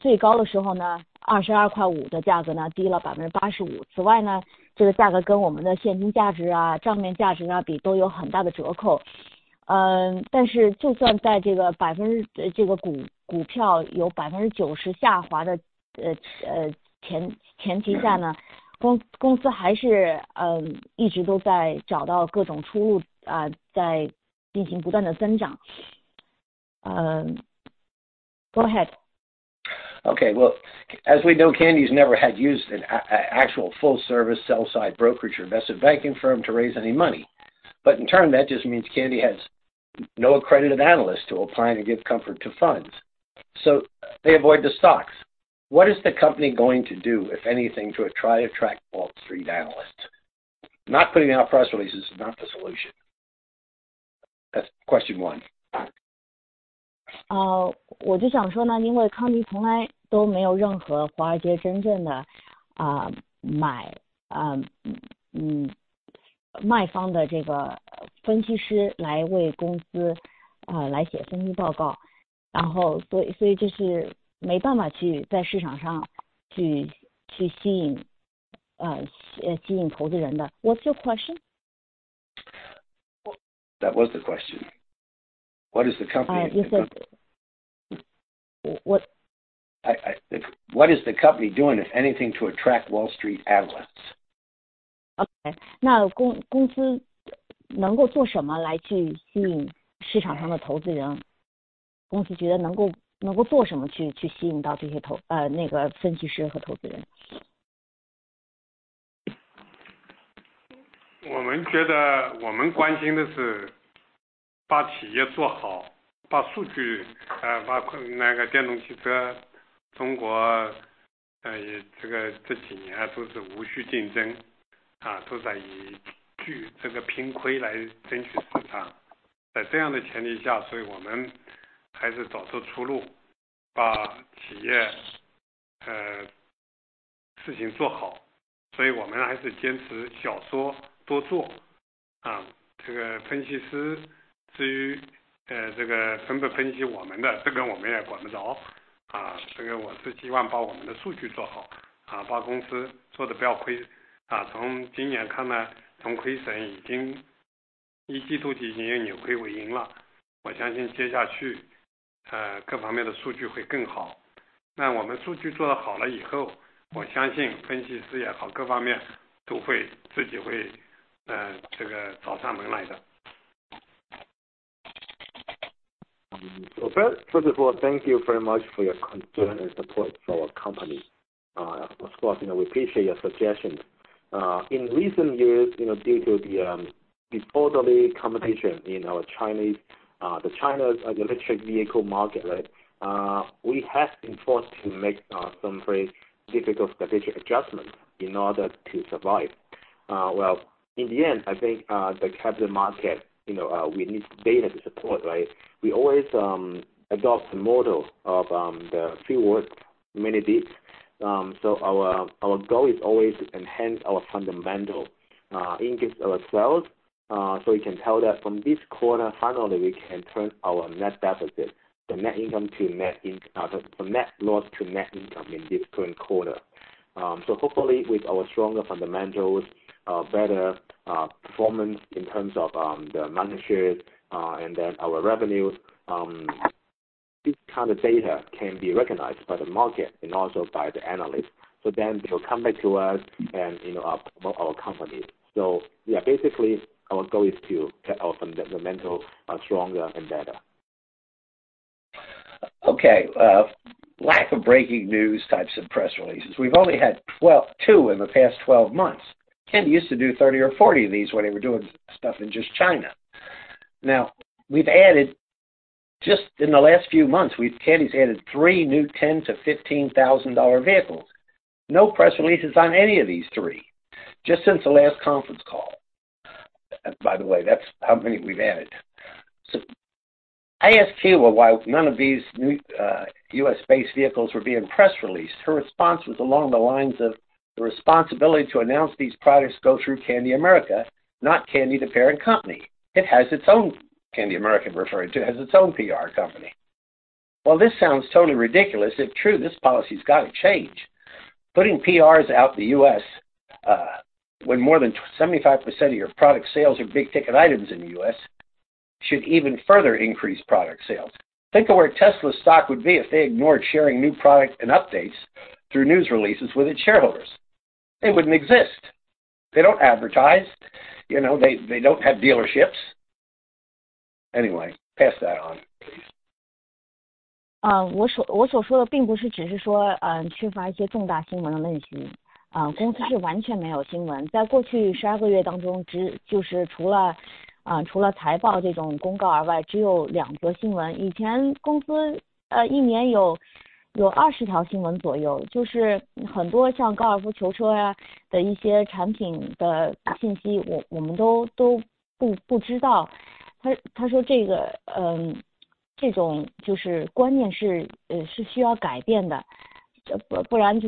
最高的时候 $22.50 的价格低了 85%。这个价格跟我们的现金价 值, 账面价值比都有很大的折扣。就算在这个股票有 90% 下滑的前提 下, 公司还是一直都在找到各种出 路, 在进行不断的增长。OK. Well as we know Kandi's never had used an actual full service sell-side brokerage or investment banking firm to raise any money. In turn that just means Kandi has no accredited analysts who apply to give comfort to funds, they avoid the stocks. What is the company going to do, if anything, to try to attract Wall Street analysts? Not putting out press releases is not the solution. That's question one. 我就想说因为 Kandi 从来都没有任何 Wall Street 真正的买卖方的这个分析师来为公司来写分析报 告, 就是没办法在市场上吸引投资人的。What's your question? That was the question. What is the company? 就 是. What is the company doing if anything to attract Wall Street analysts? 公司能够做什么来去吸引市场上的投资 人？ 公司觉得能够做什么去吸引到这些分析师和投资人。我们觉得我们关心的是把企业做 好, 把数 据, 把那个电动汽车中国这个这几年都是无序竞 争, 都在以去这个拼亏来争市 场. 在这样的前提 下, 我们还是找出出 路, 把企业事情做 好. 我们还是坚持少说多 做. 这个分析师至于这个怎么分析我们 的, 这跟我们也管不 着. 这个我是希望把我们的数据做 好, 把公司做得不要 亏. 从今年看 来, 从亏损已经1季度已经扭亏为盈 了. 我相信接下去各方面的数据会更 好. 那我们数据做得好了以 后, 我相信分析师也 好, 各方面都会自己会这个找上门来 的. First of all thank you very much for your concern and support for our company. Of course you know we appreciate your suggestions. In recent years you know due to the disorderly competition in China's electric vehicle market, right? We have been forced to make some very difficult strategic adjustments in order to survive. Well in the end I think the capital market you know we need data to support, right? We always adopt the model of the few words many deeds. Our goal is always enhance our fundamental increase our sales. You can tell that from this quarter finally we can turn our net deficit the net income to the net loss to net income in this current quarter. Hopefully with our stronger fundamentals, better performance in terms of the market share and then our revenues, this kind of data can be recognized by the market and also by the analysts. They will come back to us and you know promote our company. Yeah basically our goal is to get our fundamental stronger and better. Okay. Lack of breaking news types of press releases. We've only had two in the past 12 months. Kandi used to do 30 or 40 of these when they were doing stuff in just China. Now we've added just in the last few months Kandi's added three new $10,000-$15,000 vehicles. No press releases on any of the three. Just since the last conference call. By the way that's how many we've added. I asked Q why none of these new US-based vehicles were being press released. Her response was along the lines of the responsibility to announce these products go through Kandi America, not Kandi the parent company. It has its own Kandi America referred to as its own PR company. While this sounds totally ridiculous, if true this policy has got to change. Putting PRs out the US when more than 75% of your product sales are big-ticket items in the US should even further increase product sales. Think of where Tesla's stock would be if they ignored sharing new products and updates through news releases with its shareholders. They wouldn't exist. They don't advertise, you know they don't have dealerships. Anyway, pass that on please. 我所说的并不是只是说缺乏一些重大新闻的论 述， 公司是完全没有新闻。在过去12个月当 中， 除了财报这种公告而 外， 只有2则新闻。以前公司一年有20条新闻左 右， 就是很多像高尔夫球车呀的一些产品的信 息， 我们都不知道。他说这 个， 这种观念是需要改变的，不然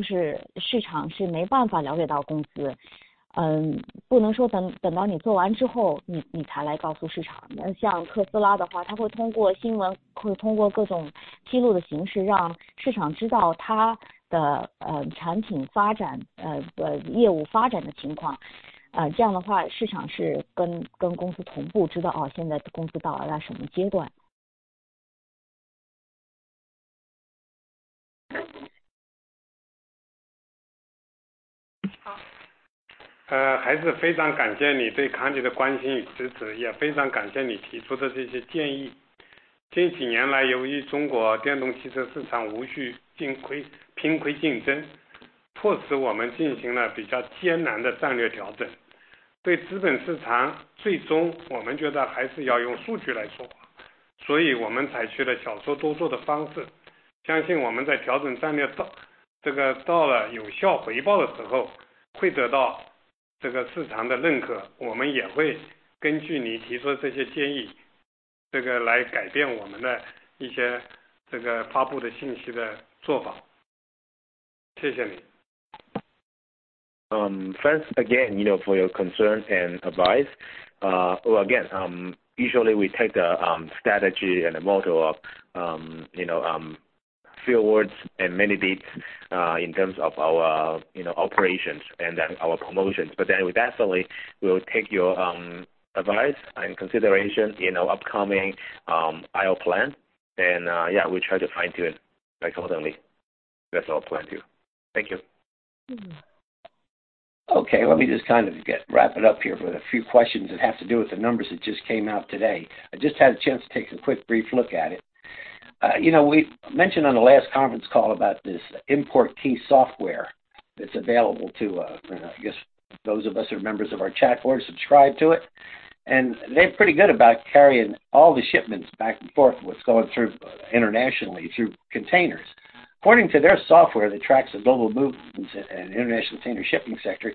市场是没办法了解到公 司， 不能说等到你做完之后你才来告诉市场。像 Tesla 的 话， 它会通过新 闻， 会通过各种披露的形式让市场知道它的产品发 展， 业务发展的情 况， 这样的 话， 市场是跟公司同步知 道， 现在公司到了什么阶段。好. 还是非常感谢你对 Kandi 的关心与支 持, 也非常感谢你提出的这些建 议. 近几年 来, 由于中国电动汽车市场无序竞 亏, 拼亏竞 争, 迫使我们进行了比较艰难的战略调 整. 对资本市 场, 最终我们觉得还是要用数据来说 话, 所以我们采取了少说多做的方 式, 相信我们在调整战略 到, 这个到了有效回报的时 候, 会得到这个市场的认 可. 我们也会根据你提出的这些建 议, 这个来改变我们的一些这个发布的信息的做 法. 谢谢 你. Thanks again, you know, for your concern and advice. Again, usually we take the strategy and the motto of you know, few words and many deeds in terms of our, you know, operations and then our promotions. We definitely will take your advice and consideration in our upcoming IO plan. Yeah, we'll try to fine tune accordingly. That's all. Thank you. Thank you. Let me just kind of get wrap it up here with a few questions that have to do with the numbers that just came out today. I just had a chance to take a quick brief look at it. You know we mentioned on the last conference call about this ImportKey software that's available to I guess those of us who are members of our chat board subscribe to it, and they're pretty good about carrying all the shipments back and forth. What's going through internationally through containers. According to their software that tracks the global movements and international container shipping sector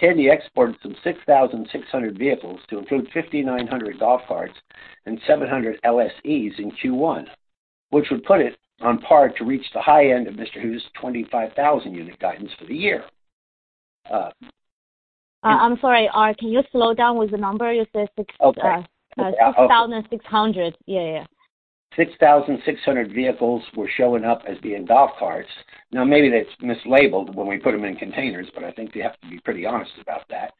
Kandi exported some 6,600 vehicles to include 5,900 golf carts and 700 LSEs in Q1, which would put it on par to reach the high end of Mr. Hu's 25,000 unit guidance for the year. I'm sorry, R, can you slow down with the number? You said six- Okay。$6,600. Yeah yeah yeah. 6,600 vehicles were showing up as being golf carts. maybe that's mislabeled when we put them in containers, I think they have to be pretty honest about that.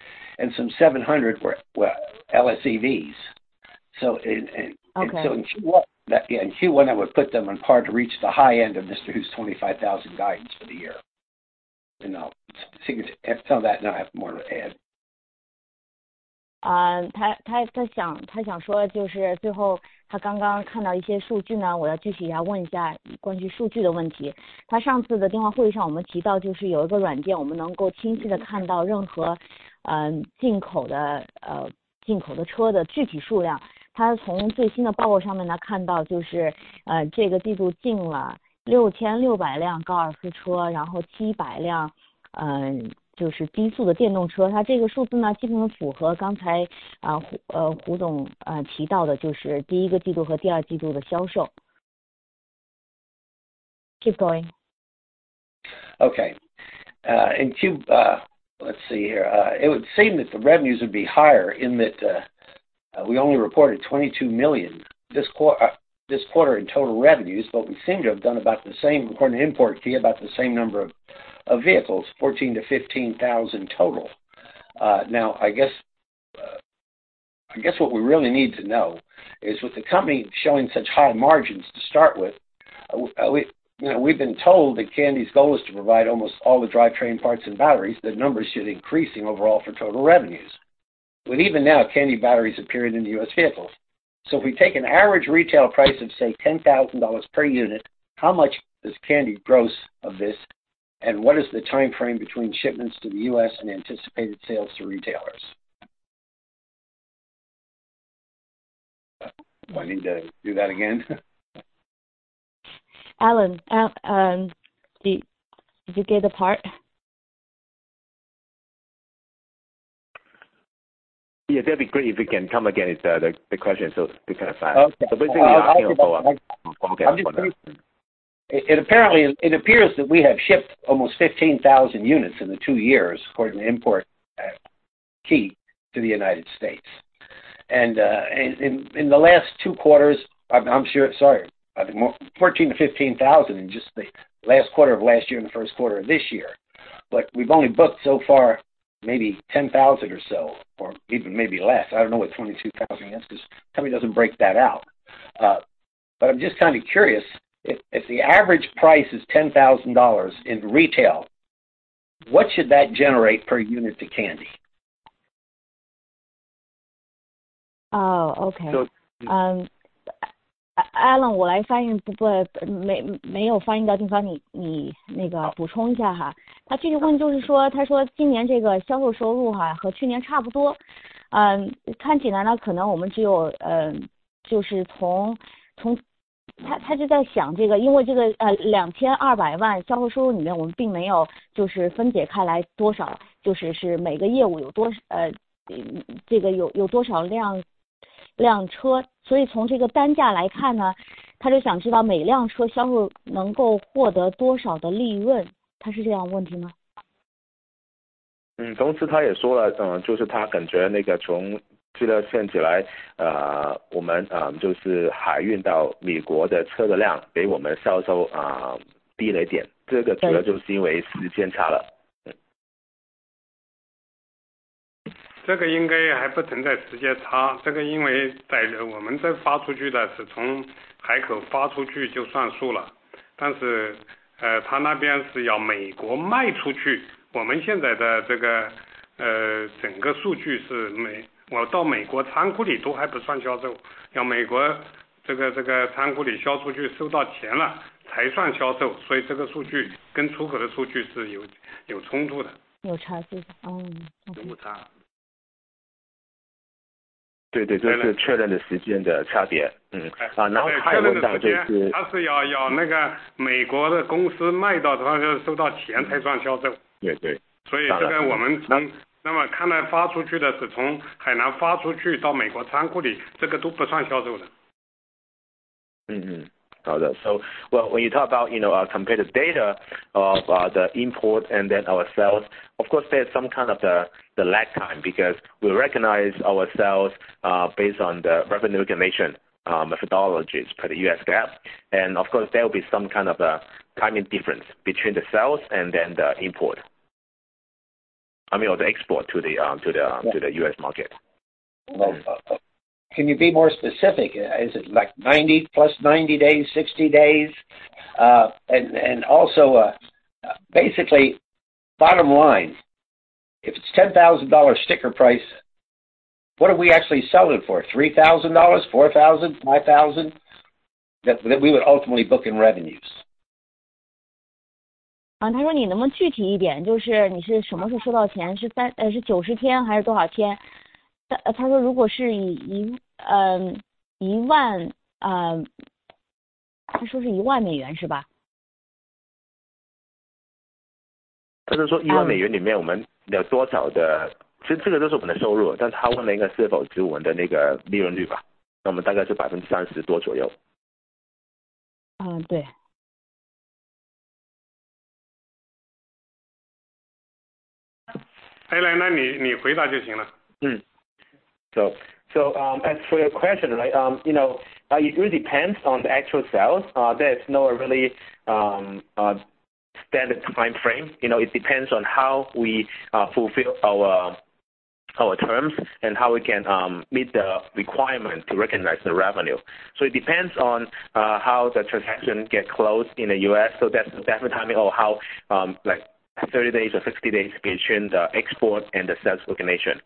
some 700 were, well LSEVs. Okay。In Q1, yeah in Q1, that would put them on par to reach the high end of Mr. Hu's 25,000 guidance for the year. You know, figure after that and I have more to add. 啊他他他想他想说就是最后他刚刚看到一些数据 呢， 我要具体一下问一下关于数据的问题。他上次的电话会议上我们提到就是有一个软 件， 我们能够清晰地看到任何嗯进口的呃进口的车的具体数量，他从最新的报告上面来看 到， 就是呃这个季度进了六千六百辆高尔夫 车， 然后七百辆嗯就是低速的电动 车， 它这个数字 呢， 基本上符合刚才啊胡呃胡总啊提到的就是第一个季度和第二季度的销售。Keep going。Okay, in Q, let's see here. It would seem that the revenues would be higher in that we only reported $22 million this quarter in total revenues. We seem to have done about the same according to ImportKey, about the same number of vehicles 14,000-15,000 total. Now I guess, I guess what we really need to know is with the company showing such high margins to start with, we, you know, we've been told that Kandi's goal is to provide almost all the drivetrain parts and batteries. That number should increasing overall for total revenues. Even now, Kandi batteries appeared in the U.S. vehicles. If we take an average retail price of say $10,000 per unit, how much is Kandi gross of this? What is the time frame between shipments to the U.S. and anticipated sales to retailers? Do I need to do that again? Alan, did you get the part? Yeah that'd be great if we can come again. It's the question is so big kind of fast-. Okay. It appears that we have shipped almost 15,000 units in the two years according to ImportKey to the United States. In the last two quarters, I think more 14,000-15,000 in just the last quarter of last year and the first quarter of this year. We've only booked so far maybe 10,000 or so, or even maybe less. I don't know what 22,000 is, 'cause company doesn't break that out. I'm just kind of curious if the average price is $10,000 in retail, what should that generate per unit to Kandi? 哦 OK。嗯 Allen 我来翻译。不-不没-没有翻译的地 方， 你-你那个补充一下哈。那这个问题就是 说， 他说今年这个销售收入 哈， 和去年差不 多， 嗯看起来 呢， 可能我们只 有， 嗯就是 从， 从他-他就在想这 个， 因为这个 呃， 两千二百万销售收入里 面， 我们并没有就是分解开来多 少， 就是是每个业务有多 少， 呃， 这个有-有多少 辆， 辆车。所以从这个单价来看 呢， 他就想知道每一辆车销售能够获得多少的利润。他是这样问题 吗？ 他也说 了， 就是他感觉那个从资料看起 来， 我们就是海运到美国的车的量比我们销 售， 低了点。这个主要就是因为时间差了。这个应该还不存在时间 差， 这个因为在这我们在发出去的是从海口发出去就算数了。他那边是要美国卖出 去， 我们现在的这 个， 整个数据是 美， 我到美国仓库里都还不算销 售， 要美国这 个， 这个仓库里销出 去， 收到钱了才算销售。这个数据跟出口的数据是 有， 有冲突的。有差异。哦。有差。对 对， 就是确认的时间的差别。然后开文档就是-他是要那个美国的公司卖到他就收到钱才算销 售. 对 对. 这个我们 从， 那么看 来， 发出去的是从海南发出去到美国仓库 里， 这个都不算销售的。Well, when you talk about you know comparative data of the import and then ourselves of course there's some kind of the lag time because we recognize ourselves based on the revenue recognition methodologies for the US GAAP. Of course there will be some kind of a timing difference between the sales and then the import. I mean the export to the U.S. market. Can you be more specific? Is it like 90 plus 90 days, 60 days? and also basically bottom line, if it's $10,000 sticker price, what are we actually selling it for? $3,000? $4,000? $5,000? That we would ultimately book in revenues. 啊他说你能不能具体一 点， 就是你是什么时候收到 钱， 是 三， 是九十天还是多少天。他-他说如果是以一， 嗯， 一 万， 嗯， 他说是万美元是吧。他是说 $10,000 里面我们有多少 的， 其实这个都是我们的收 入， 但他问的应该是否是我们的那个利润率 吧？ 大概是 30% 多左右。对. 哎, 那你回答就行 了. As for your question right, you know it really depends on the actual sales. There's no really a standard time frame. You know it depends on how we fulfill our terms and how we can meet the requirements to recognize the revenue. It depends on how the transaction get closed in the US. That's the timing of how like 30 days or 60 days between the export and the sales recognition.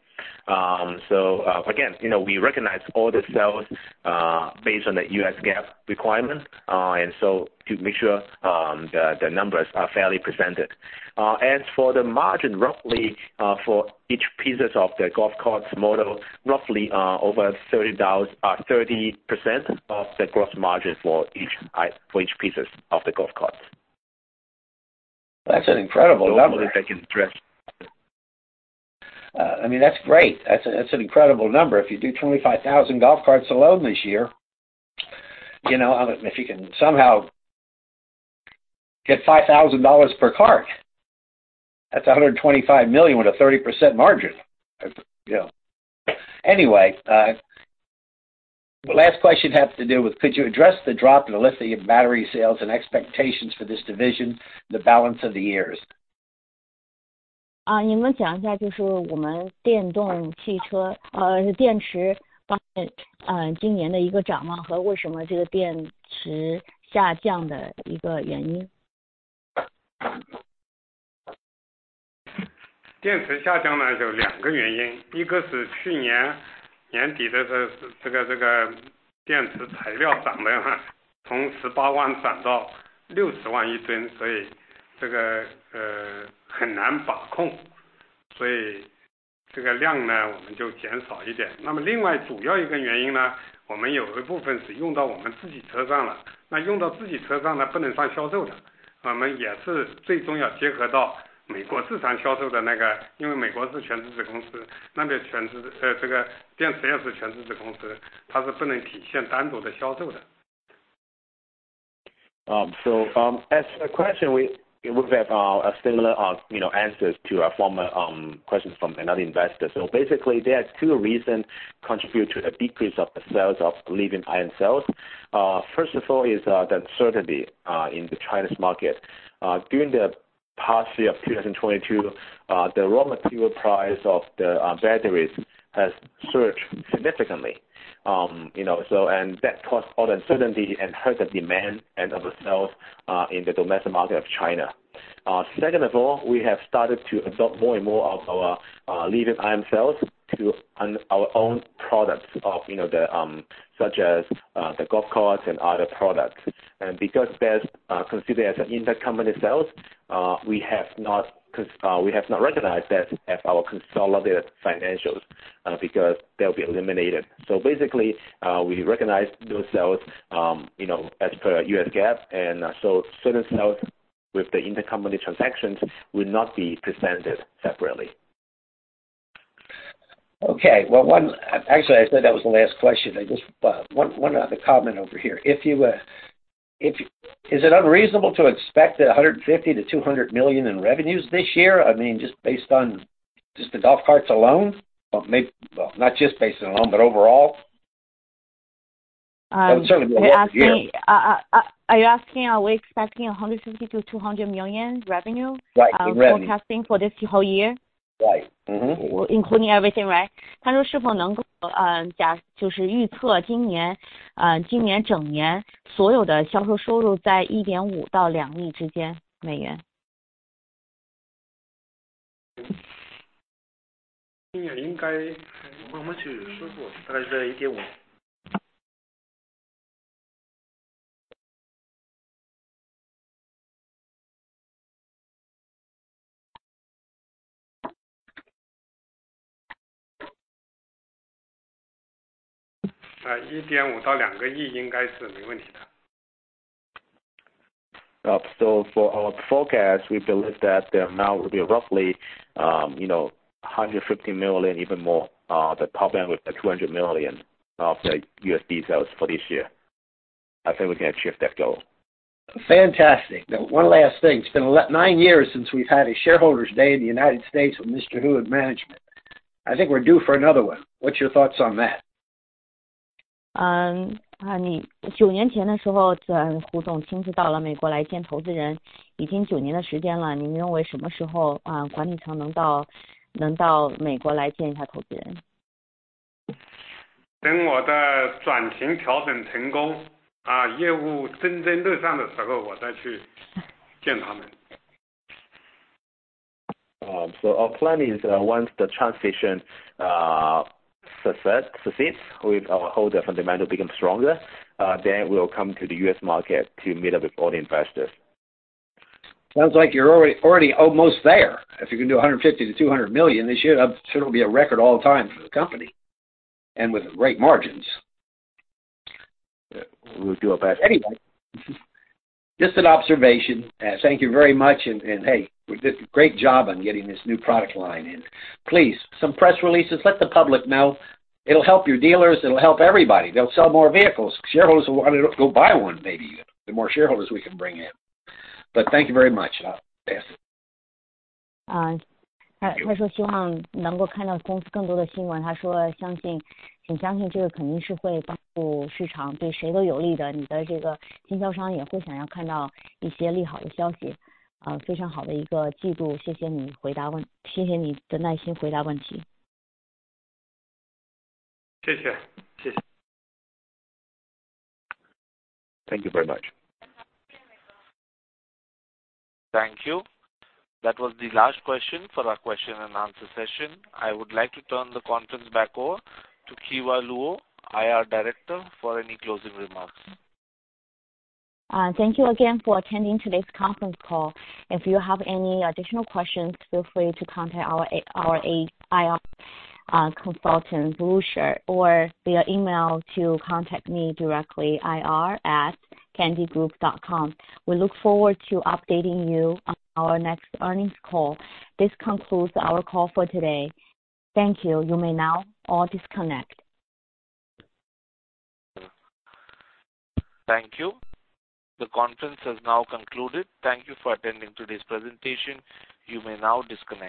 Again, you know, we recognize all the sales based on the US GAAP requirements, and to make sure the numbers are fairly presented. As for the margin roughly for each pieces of the golf carts model, roughly over 30% of the gross margin for each pieces of the golf carts. That's an incredible number. I can address. I mean, that's great. That's an incredible number. If you do 25,000 golf carts alone this year, you know, if you can somehow get $5,000 per cart, that's $125 million with a 30% margin. You know. The last question has to do with, could you address the drop in the lithium battery sales and expectations for this division, the balance of the years? 你能讲一下就是我们电动汽 车， 电池方 面， 今年的一个展望和为什么这个电池下降的一个原 因？ 电池下降 呢， 有两个原 因， 一个是去年年底的这 个， 这个电池材料涨了 哈， 从 CNY 180,000 涨到 CNY 600,000 一 吨， 所以这个很难把 控， 所以这个量 呢， 我们就减少一点。那么另外主要一个原因 呢， 我们有个部分是用到我们自己车上 了， 那用到自己车上 呢， 不能算销售 的， 我们也是最终要结合到美国自身销售的那 个， 因为美国是全资子公 司， 那边全 资， 这个电池也是全资子公 司， 它是不能体现单独的销售的。As the question we have a similar, you know, answers to a former question from another investor. Basically there are two reason contribute to the decrease of the sales of lithium-ion cells. First of all, is the uncertainty in the Chinese market. During the past year of 2022, the raw material price of the batteries has surged significantly. you know, and that caused all uncertainty and hurt the demand and of the sales in the domestic market of China. Second of all, we have started to adopt more and more of our lithium-ion cells to our own products of, you know, the such as the golf carts and other products. Because that's considered as an intercompany sales, we have not recognized that as our consolidated financials, because they'll be eliminated. Basically, we recognize those sales, you know, as per US GAAP. Certain sales with the intercompany transactions would not be presented separately. Okay. Well, actually, I said that was the last question. I just, one other comment over here. If you, is it unreasonable to expect $150 million-$200 million in revenues this year? I mean, just based on just the golf carts alone? Well, not just based on alone, but overall. Um- That would certainly be a year. Are you asking are we expecting $150 million-$200 million revenue? Right. In revenue. forecasting for this whole year? Right. Including everything, right? For our forecast, we believe that the amount will be roughly, you know, $150 million even more, the top end with the $200 million of the USD sales for this year. I think we can achieve that goal. Fantastic. One last thing. It's been nine years since we've had a shareholder's day in the United States with Mr. Hu and management. I think we're due for another one. What's your thoughts on that? Our plan is, once the transition succeeds with our whole fundamental becomes stronger, then we'll come to the U.S. market to meet up with all the investors. Sounds like you're already almost there. If you can do $150 million-$200 million this year, that should be a record all time for the company and with great margins. We'll do our best. Just an observation. Thank you very much. Hey, great job on getting this new product line in. Please, some press releases, let the public know. It'll help your dealers. It'll help everybody. They'll sell more vehicles. Shareholders will want to go buy one maybe even, the more shareholders we can bring in. Thank you very much. I'll pass it. He said he hope to see more news from the company. He said he believes this will definitely help the market. It benefits everyone. Your distributors will also want to see some good news. A very good quarter. Thank you for your patience in answering questions. Thank you very much. Thank you. That was the last question for our question and answer session. I would like to turn the conference back over to Kewa Luo, IR Director, for any closing remarks. Thank you again for attending today's conference call. If you have any additional questions, feel free to contact our IR consultant, Blueshirt Group, or via email to contact me directly, ir@kandigroup.com. We look forward to updating you on our next earnings call. This concludes our call for today. Thank you. You may now all disconnect. Thank you. The conference has now concluded. Thank you for attending today's presentation. You may now disconnect.